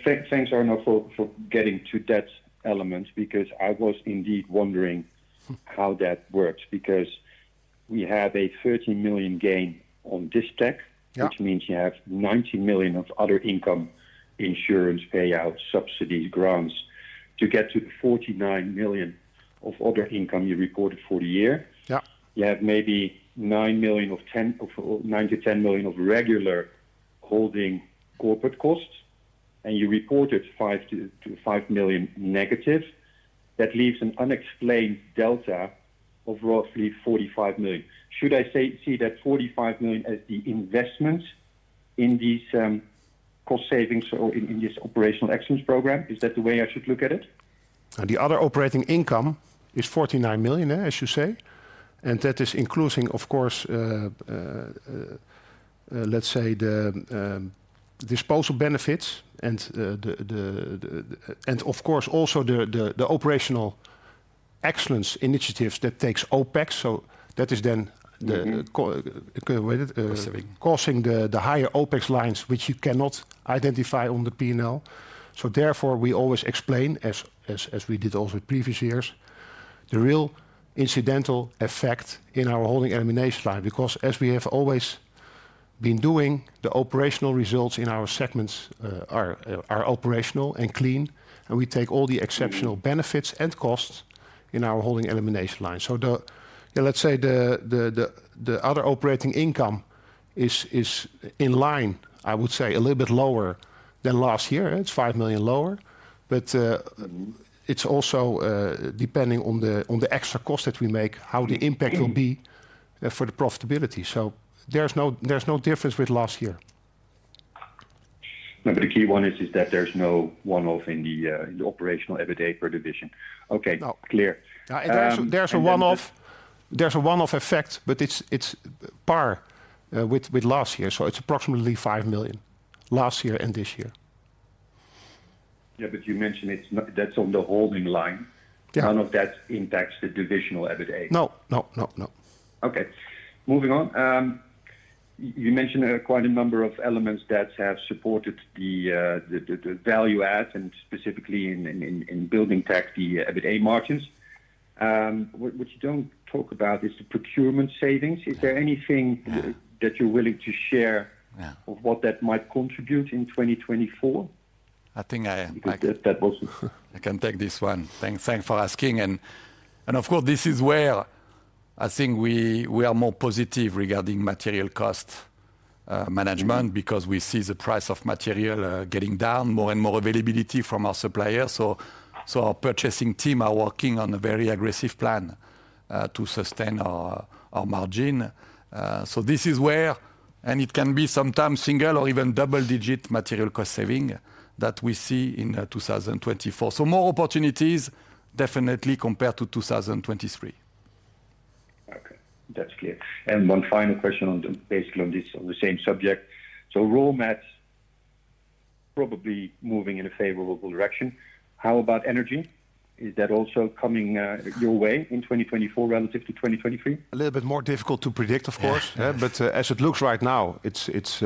Thanks, Arno, for getting to that element because I was indeed wondering how that works. Because we have a 30 million gain on Distech, which means you have 90 million of other income insurance payouts, subsidies, grants to get to the 49 million of other income you reported for the year. You have maybe 9 million or 10 or 9 million-10 million of regular holding corporate costs. And you reported 5 million negative. That leaves an unexplained delta of roughly 45 million. Should I see that 45 million as the investment in these cost savings or in this operational excellence program? Is that the way I should look at it? The other operating income is 49 million, as you say. That is including, of course, let's say, the disposal benefits and, of course, also the operational excellence initiatives that takes OpEx. That is then the what is it? Cost saving. Crossing the higher OpEx lines, which you cannot identify on the P&L. Therefore, we always explain, as we did also in previous years, the real incidental effect in our holding elimination line because, as we have always been doing, the operational results in our segments are operational and clean. We take all the exceptional benefits and costs in our holding elimination line. Let's say the other operating income is in line, I would say, a little bit lower than last year. It's 5 million lower. But it's also depending on the extra cost that we make, how the impact will be for the profitability. So there's no difference with last year. But the key one is that there's no one-off in the operational EBITDA per division. Okay. Clear. And there's a one-off; there's a one-off effect, but it's on par with last year. So it's approximately 5 million last year and this year. But you mentioned that's on the holding line. None of that impacts the divisional EBITDA. No, no, no, no. Okay. Moving on. You mentioned quite a number of elements that have supported the value add and specifically in Building Tech the EBITDA margins. What you don't talk about is the procurement savings. Is there anything that you're willing to share of what that might contribute in 2024? I think I can take this one. Thanks for asking. Of course, this is where I think we are more positive regarding material cost management because we see the price of material getting down, more and more availability from our suppliers. Our purchasing team are working on a very aggressive plan to sustain our margin. This is where and it can be sometimes single or even double digit material cost saving that we see in 2024. More opportunities definitely compared to 2023. Okay. That's clear. One final question on basically on the same subject. Roadmaps probably moving in a favorable direction. How about energy? Is that also coming your way in 2024 relative to 2023? A little bit more difficult to predict, of course. But as it looks right now, it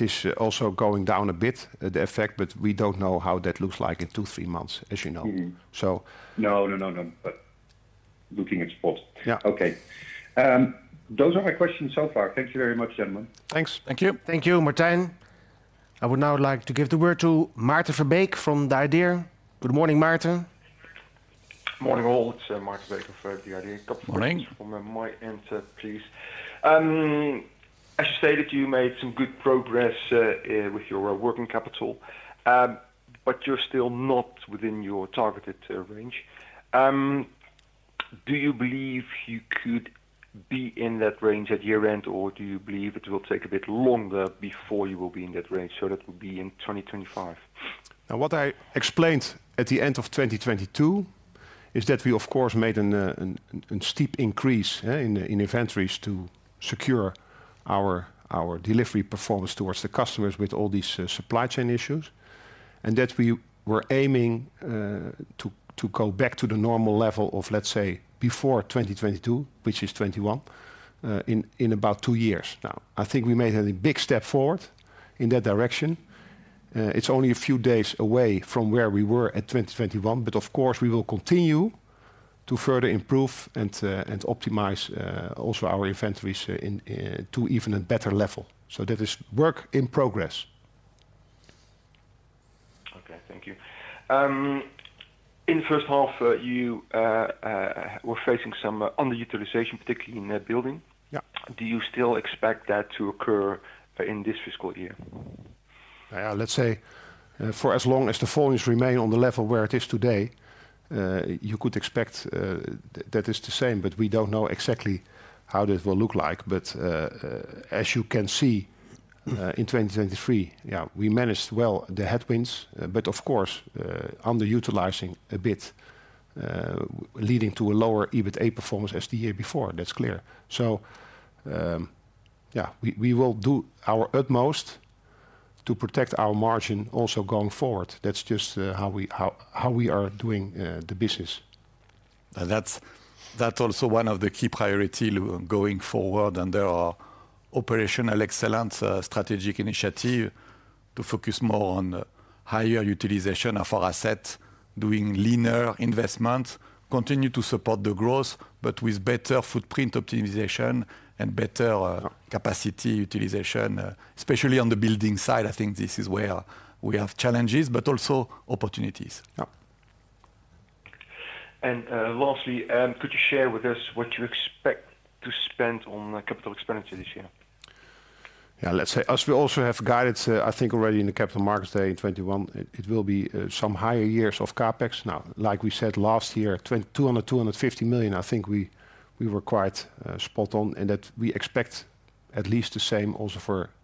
is also going down a bit, the effect. But we don't know how that looks like in 2, 3 months, as you know. So, no, no, no, no. But looking at spot. Okay. Those are my questions so far. Thank you very much, gentlemen. Thanks. Thank you. Thank you, Martijn. I would now like to give the word to Maarten Verbeek from De IDEER. Good morning, Maarten. Good morning all. It's Maarten Verbeek of De IDEER. Come forward from my end, please. As you stated, you made some good progress with your working capital, but you're still not within your targeted range. Do you believe you could be in that range at year-end, or do you believe it will take a bit longer before you will be in that range? So that will be in 2025. Now, what I explained at the end of 2022 is that we, of course, made a steep increase in inventories to secure our delivery performance towards the customers with all these supply chain issues and that we were aiming to go back to the normal level of, let's say, before 2022, which is 2021, in about two years. Now, I think we made a big step forward in that direction. It's only a few days away from where we were at 2021. But of course, we will continue to further improve and optimize also our inventories to even a better level. So that is work in progress. Okay. Thank you. In the H1, you were facing some underutilization, particularly in building. Do you still expect that to occur in this FY? Let's say, for as long as the volumes remain on the level where it is today, you could expect that is the same. But we don't know exactly how that will look like. But as you can see in 2023, we managed the headwinds, but of course, underutilizing a bit, leading to a lower EBITDA performance as the year before. That's clear. So we will do our utmost to protect our margin also going forward. That's just how we are doing the business. And that's also one of the key priorities going forward. And there are operational excellence strategic initiatives to focus more on higher utilization of our assets, doing leaner investments, continue to support the growth, but with better footprint optimization and better capacity utilization, especially on the building side. I think this is where we have challenges but also opportunities. Lastly, could you share with us what you expect to spend on capital expenditure this year? Let's say, as we also have guided, I think, already in the Capital Markets Day in 2021, it will be some higher years of CAPEX. Now, like we said last year, 200 million-250 million, I think we were quite spot-on in that we expect at least the same also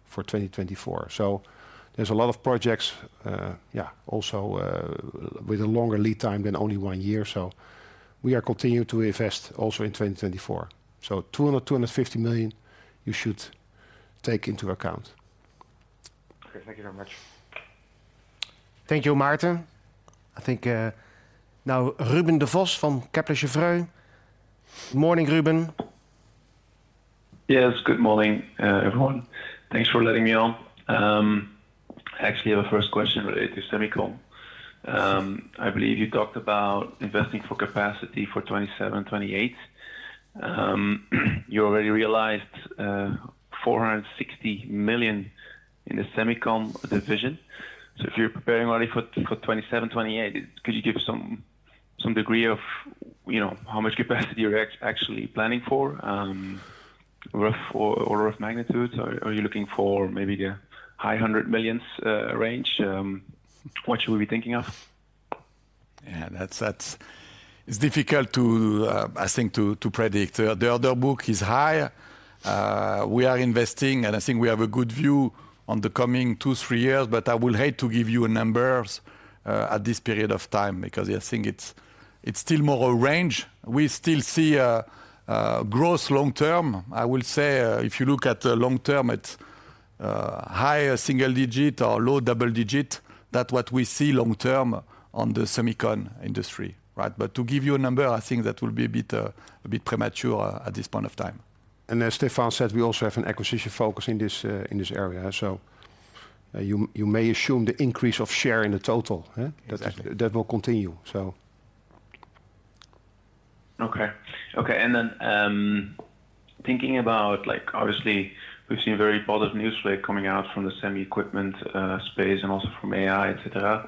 for 2024. So there's a lot of projects, also with a longer lead time than only one year. So we are continuing to invest also in 2024. So 200 million-250 million, you should take into account. Okay. Thank you very much. Thank you, Maarten. I think now Ruben de Vos from Kepler Cheuvreux. Good morning, Ruben. Yes. Good morning, everyone. Thanks for letting me on. I actually have a first question related to semiconductors. I believe you talked about investing for capacity for 2027, 2028. You already realized 460 million in the semiconductor division. So if you're preparing already for 2027, 2028, could you give some degree of how much capacity you're actually planning for, rough order of magnitude? Are you looking for maybe the high 100 millions range? What should we be thinking of? It's difficult, I think, to predict. The order book is high. We are investing. And I think we have a good view on the coming two, three years. But I will hate to give you numbers at this period of time because I think it's still more a range. We still see growth long term, I will say. If you look at long term, it's high single digit or low double digit. That's what we see long term on the semiconductor industry, right? But to give you a number, I think that will be a bit premature at this point of time. And as Stéphane said, we also have an acquisition focus in this area. So you may assume the increase of share in the total. That will continue, so. Okay. Okay. And then thinking about obviously, we've seen very positive newsflow coming out from the semi-equipment space and also from AI, etc.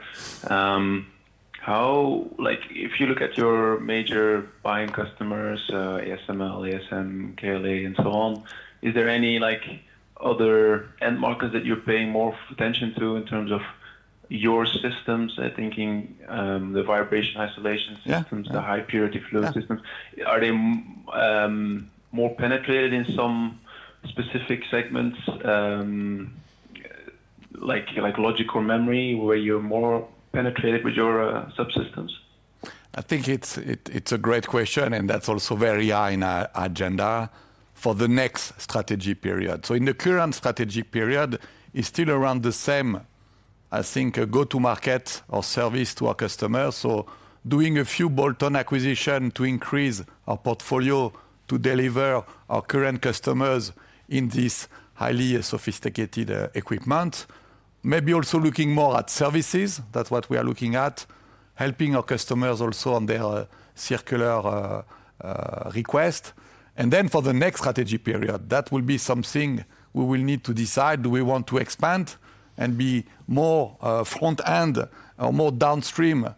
If you look at your major buying customers, ASML, ASM, KLA, and so on, is there any other end markets that you're paying more attention to in terms of your systems? Thinking the vibration isolation systems, the high purity flow systems, are they more penetrated in some specific segments like logic or memory where you're more penetrated with your subsystems? I think it's a great question. And that's also very high in our agenda for the next strategy period. So in the current strategy period, it's still around the same, I think, go-to-market or service to our customers. So doing a few bolt-on acquisitions to increase our portfolio to deliver our current customers in this highly sophisticated equipment, maybe also looking more at services. That's what we are looking at, helping our customers also on their circular request. And then for the next strategy period, that will be something we will need to decide. Do we want to expand and be more front-end or more downstream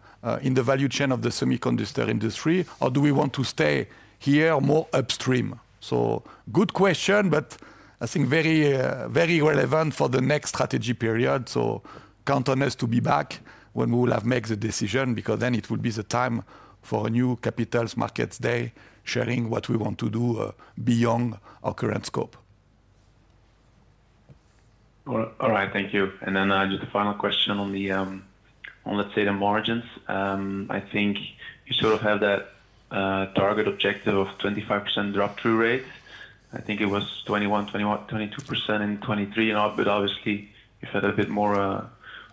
in the value chain of the semiconductor industry, or do we want to stay here more upstream? So good question, but I think very relevant for the next strategy period. So count on us to be back when we will have made the decision because then it will be the time for a new Capital Markets Day sharing what we want to do beyond our current scope. All right. Thank you. And then just a final question on, let's say, the margins. I think you have that target objective of 25% drop-through rate. I think it was 21%, 21%, 22% in 2023. But obviously, you've had a bit more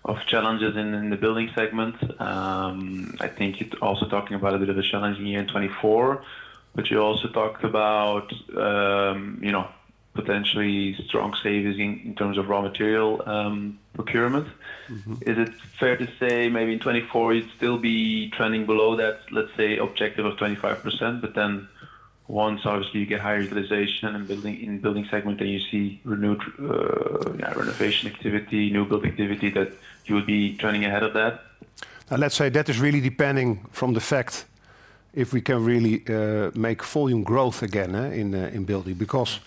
of challenges in the building segment. I think you're also talking about a bit of a challenging year in 2024, but you also talked about potentially strong savings in terms of raw material procurement. Is it fair to say maybe in 2024, you'd still be trending below that, let's say, objective of 25%? But then once, obviously, you get higher utilization in building segment and you see renewed renovation activity, new build activity, that you would be trending ahead of that? Now, let's say that is really depending from the fact if we can really make volume growth again in building because,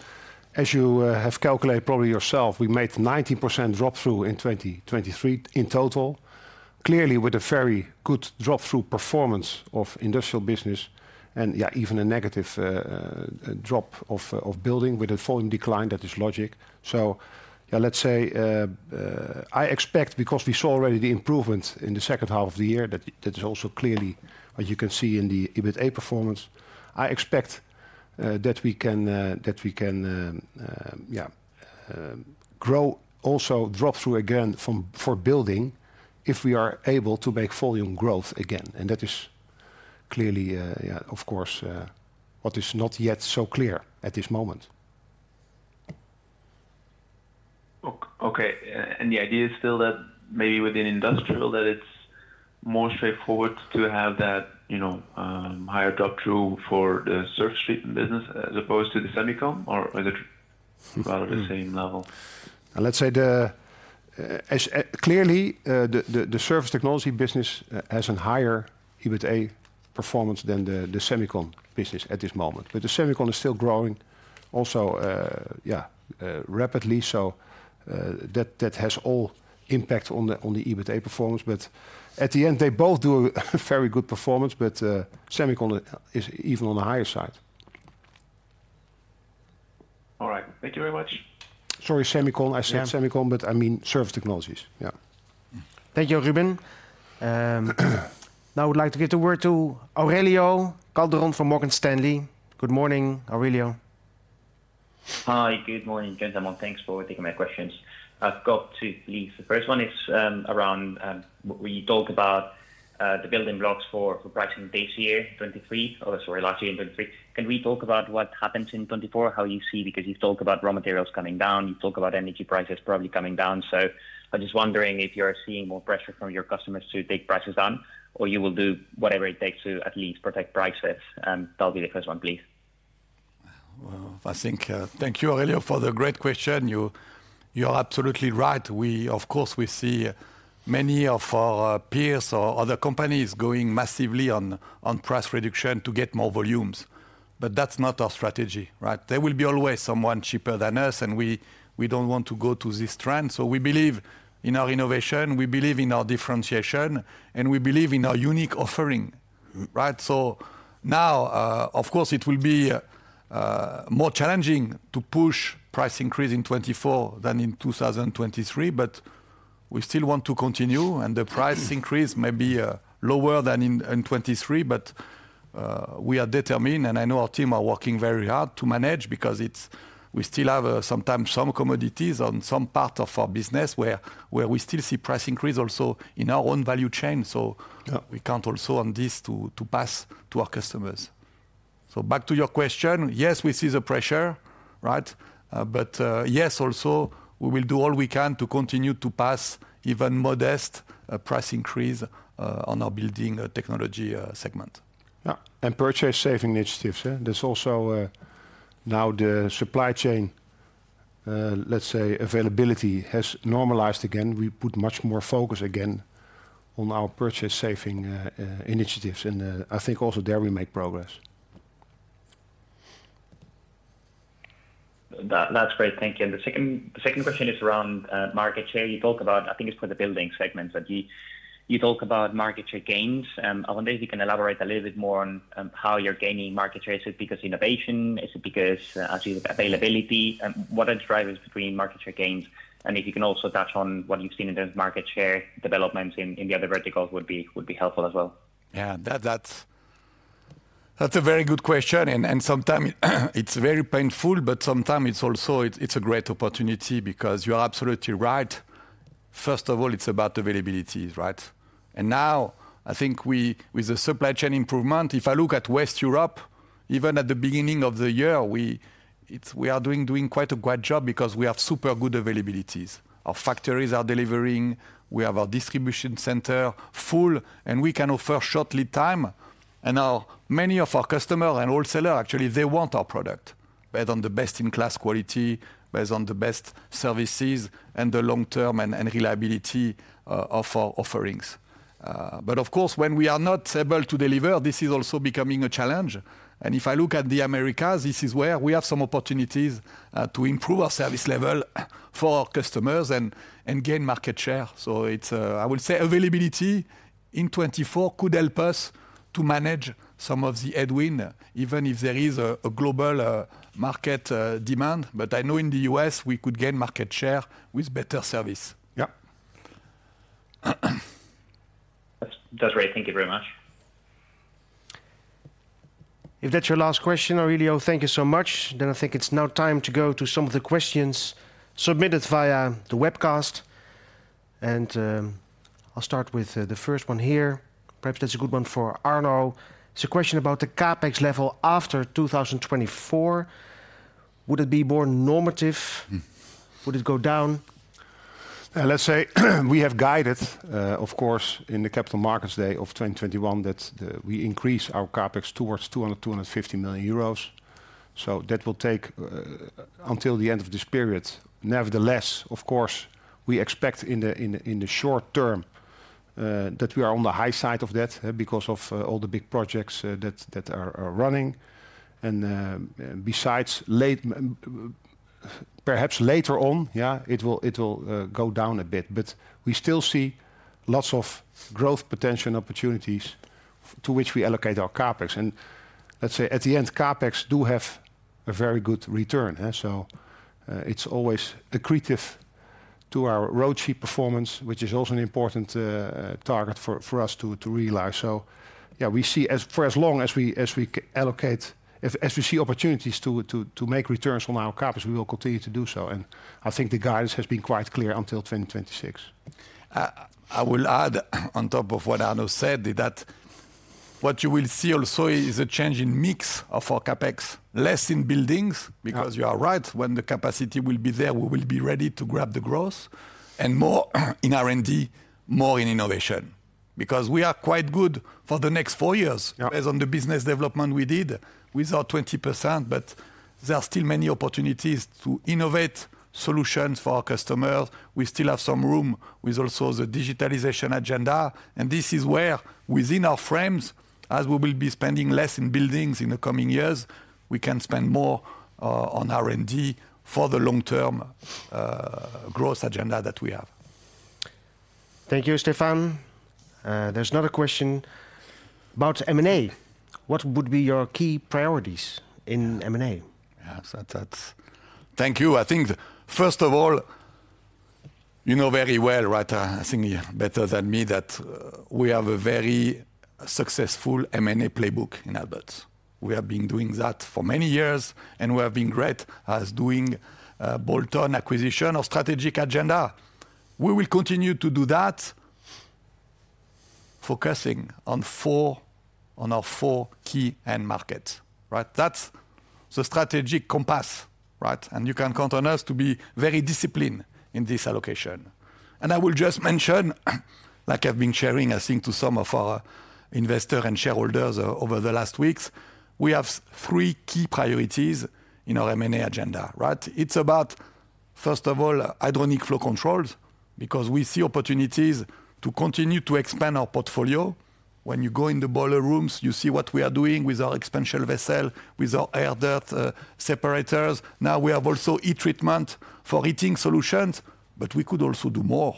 as you have calculated probably yourself, we made 90% drop-through in 2023 in total, clearly with a very good drop-through performance of industrial business and, even a negative drop of building with a volume decline. That is logic. So et's say I expect because we saw already the improvement in the H1 of the year that is also clearly what you can see in the EBITDA performance. I expect that we can grow also drop-through again for building if we are able to make volume growth again. That is clearly, of course, what is not yet so clear at this moment. Okay. The idea is still that maybe within industrial, that it's more straightforward to have that higher drop-through for the service business as opposed to the semiconductor, or is it rather the same level? Let's say clearly, the service technology business has a higher EBITDA performance than the semiconductor business at this moment. But the semiconductor is still growing also, rapidly. So that has all impact on the EBITDA performance. But at the end, they both do a very good performance. But semiconductor is even on the higher side. All right. Thank you very much. Sorry, semiconductor. I said semiconductor, but I mean service technologies. Thank you, Ruben. Now, I would like to give the word to Aurelio Calderón from Morgan Stanley. Good morning, Aurelio. Hi. Good morning, gentlemen. Thanks for taking my questions. I've got two, please. The first one is around what we talked about, the building blocks for pricing this year, 2023. Sorry, last year, 2023. Can we talk about what happens in 2024, how you see because you've talked about raw materials coming down. You've talked about energy prices probably coming down. So I'm just wondering if you are seeing more pressure from your customers to take prices down or you will do whatever it takes to at least protect prices. That'll be the first one, please. I think thank you, Aurelio, for the great question. You are absolutely right. Of course, we see many of our peers or other companies going massively on price reduction to get more volumes. But that's not our strategy, right? There will be always someone cheaper than us. And we don't want to go to this trend. So we believe in our innovation. We believe in our differentiation. And we believe in our unique offering, right? So now, of course, it will be more challenging to push price increase in 2024 than in 2023. But we still want to continue. And the price increase may be lower than in 2023. But we are determined. And I know our team are working very hard to manage because we still have sometimes some commodities on some part of our business where we still see price increase also in our own value chain. So we count also on this to pass to our customers. So back to your question, yes, we see the pressure, right? But yes, also, we will do all we can to continue to pass even modest price increase on our Building Technology segment. And purchase saving initiatives. There's also now the supply chain, let's say, availability has normalized again. We put much more focus again on our purchase saving initiatives. And I think also there we make progress. That's great. Thank you. And the second question is around market share. You talk about I think it's for the building segment. But you talk about market share gains. Arno Monincx, if you can elaborate a little bit more on how you're gaining market share. Is it because innovation? Is it because, as you said, availability? What are the drivers between market share gains? And if you can also touch on what you've seen in terms of market share developments in the other verticals would be helpful. That's a very good question. And sometimes it's very painful. But sometimes it's also a great opportunity because you are absolutely right. First of all, it's about availabilities, right? Now, I think with the supply chain improvement, if I look at West Europe, even at the beginning of the year, we are doing quite a great job because we have super good availabilities. Our factories are delivering. We have our distribution center full. And we can offer short lead time. And many of our customers and wholesalers, actually, they want our product based on the best-in-class quality, based on the best services and the long-term and reliability of our offerings. But of course, when we are not able to deliver, this is also becoming a challenge. And if I look at the Americas, this is where we have some opportunities to improve our service level for our customers and gain market share. So I will say availability in 2024 could help us to manage some of the headwind even if there is a global market demand. But I know in the U.S., we could gain market share with better service. That's great. Thank you very much. If that's your last question, Aurelio, thank you so much. Then I think it's now time to go to some of the questions submitted via the webcast. And I'll start with the first one here. Perhaps that's a good one for Arno. It's a question about the CAPEX level after 2024. Would it be more normative? Would it go down? Let's say we have guided, of course, in the Capital Markets Day of 2021 that we increase our CAPEX towards 200 million-250 million euros. So that will take until the end of this period. Nevertheless, of course, we expect in the short term that we are on the high side of that because of all the big projects that are running. Besides, perhaps later on, it will go down a bit. But we still see lots of growth potential opportunities to which we allocate our CAPEX. Let's say at the end, CAPEX do have a very good return. It's always accretive to our ROCE performance, which is also an important target for us to realize. We see for as long as we allocate as we see opportunities to make returns on our CAPEX, we will continue to do so. I think the guidance has been quite clear until 2026. I will add on top of what Arno said that what you will see also is a change in mix of our CAPEX, less in buildings because you are right. When the capacity will be there, we will be ready to grab the growth and more in R&D, more in innovation because we are quite good for the next four years based on the business development we did with our 20%. But there are still many opportunities to innovate solutions for our customers. We still have some room with also the digitalization agenda. And this is where, within our frames, as we will be spending less in buildings in the coming years, we can spend more on R&D for the long-term growth agenda that we have. Thank you, Stéphane. There's another question about M&A. What would be your key priorities in M&A? Thank you. I think first of all, you know very well, right, I think better than me, that we have a very successful M&A playbook in Aalberts. We have been doing that for many years. And we have been great at doing bolt-on acquisition or strategic agenda. We will continue to do that focusing on our four key end markets, right? That's the strategic compass, right? And you can count on us to be very disciplined in this allocation. And I will just mention, like I've been sharing, I think, to some of our investors and shareholders over the last weeks, we have three key priorities in our M&A agenda, right? It's about, first of all, Hydronic Flow Control because we see opportunities to continue to expand our portfolio. When you go in the boiler rooms, you see what we are doing with our expansion vessel, with our air-dirt separators. Now, we have also heat treatment for heating solutions. But we could also do more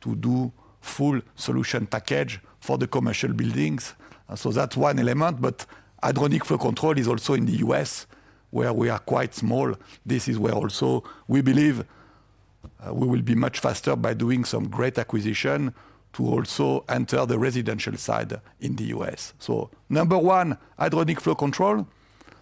to do full solution package for the commercial buildings. So that's one element. But Hydronic Flow Control is also in the U.S. where we are quite small. This is where also we believe we will be much faster by doing some great acquisition to also enter the residential side in the U.S. So number one, Hydronic Flow Control.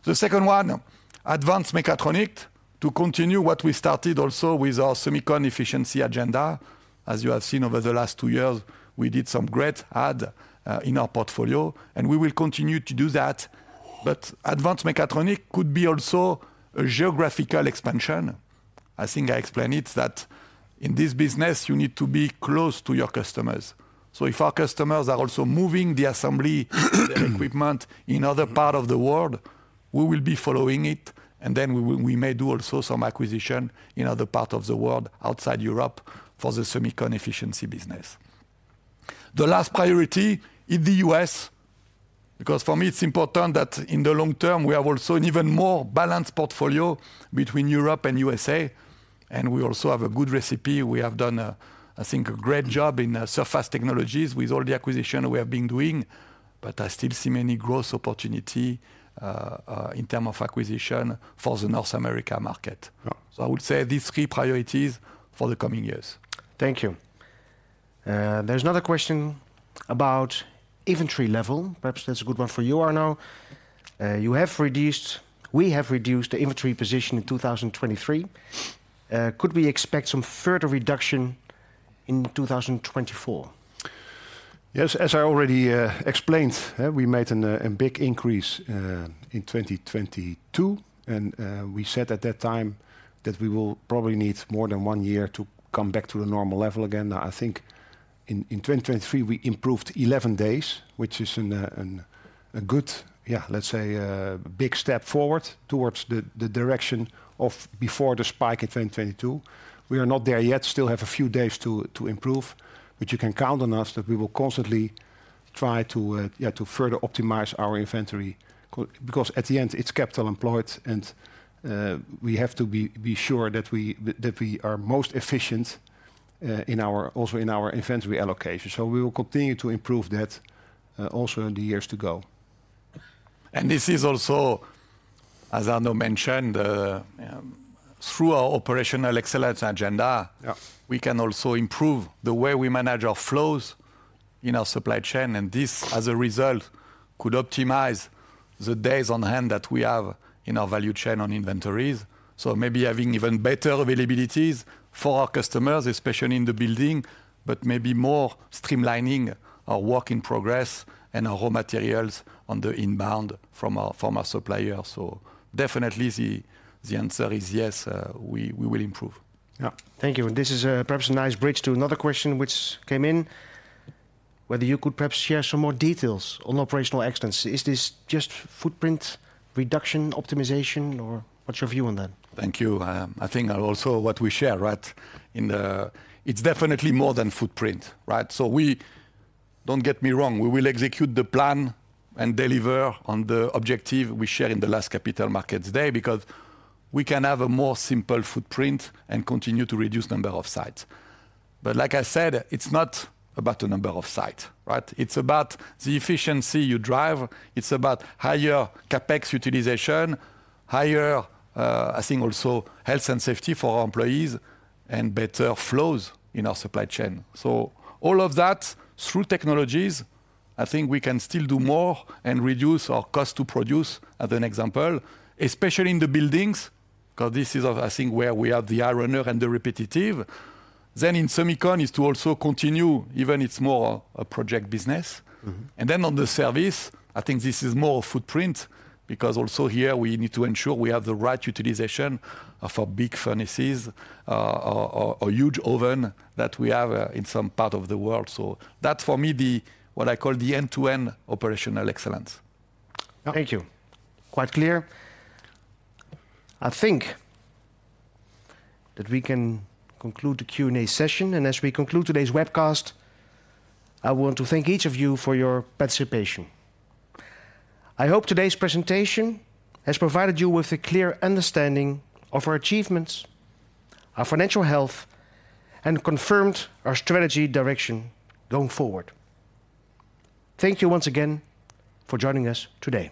The second one, Advanced Mechatronics to continue what we started also with our semiconductor efficiency agenda. As you have seen over the last two years, we did some great add in our portfolio. And we will continue to do that. But Advanced Mechatronics could be also a geographical expansion. I think I explained it that in this business, you need to be close to your customers. So if our customers are also moving the assembly, the equipment in other parts of the world, we will be following it. And then we may do also some acquisition in other parts of the world outside Europe for the semiconductor efficiency business. The last priority in the US because for me, it's important that in the long term, we have also an even more balanced portfolio between Europe and USA. And we also have a good recipe. We have done, I think, a great job in Surface Technologies with all the acquisition we have been doing. But I still see many growth opportunities in terms of acquisition for the North America market. So I would say these three priorities for the coming years. Thank you. There's another question about inventory level. Perhaps that's a good one for you, Arno. You have reduced. We have reduced the inventory position in 2023. Could we expect some further reduction in 2024? Yes. As I already explained, we made a big increase in 2022. We said at that time that we will probably need more than one year to come back to the normal level again. Now, I think in 2023, we improved 11 days, which is a good, let's say, big step forward towards the direction of before the spike in 2022. We are not there yet. Still have a few days to improve. But you can count on us that we will constantly try to, to further optimize our inventory because at the end, it's capital employed. We have to be sure that we are most efficient in our also in our inventory allocation. So we will continue to improve that also in the years to go. And this is also, as Arno mentioned, through our operational excellence agenda, we can also improve the way we manage our flows in our supply chain. And this, as a result, could optimize the days on hand that we have in our value chain on inventories. So maybe having even better availabilities for our customers, especially in the building, but maybe more streamlining our work in progress and our raw materials on the inbound from our supplier. So definitely, the answer is yes. We will improve. Thank you. And this is perhaps a nice bridge to another question which came in, whether you could perhaps share some more details on operational excellence. Is this just footprint reduction, optimization, or what's your view on that? Thank you. I think also what we share, right, in the it's definitely more than footprint, right? So don't get me wrong. We will execute the plan and deliver on the objective we share in the last Capital Markets Day because we can have a more simple footprint and continue to reduce the number of sites. But like I said, it's not about the number of sites, right? It's about the efficiency you drive. It's about higher CAPEX utilization, higher, I think, also health and safety for our employees and better flows in our supply chain. So all of that through technologies, I think we can still do more and reduce our cost to produce, as an example, especially in the buildings because this is, I think, where we are the frontrunner and the repetitive. Then in semiconductors, it's to also continue even it's more a project business. And then on the service, I think this is more a footprint because also here we need to ensure we have the right utilization for big furnaces, a huge oven that we have in some part of the world. So that's for me the what I call the end-to-end operational excellence. Thank you. Quite clear. I think that we can conclude the Q&A session. And as we conclude today's webcast, I want to thank each of you for your participation. I hope today's presentation has provided you with a clear understanding of our achievements, our financial health, and confirmed our strategy direction going forward. Thank you once again for joining us today.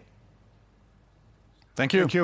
Thank you.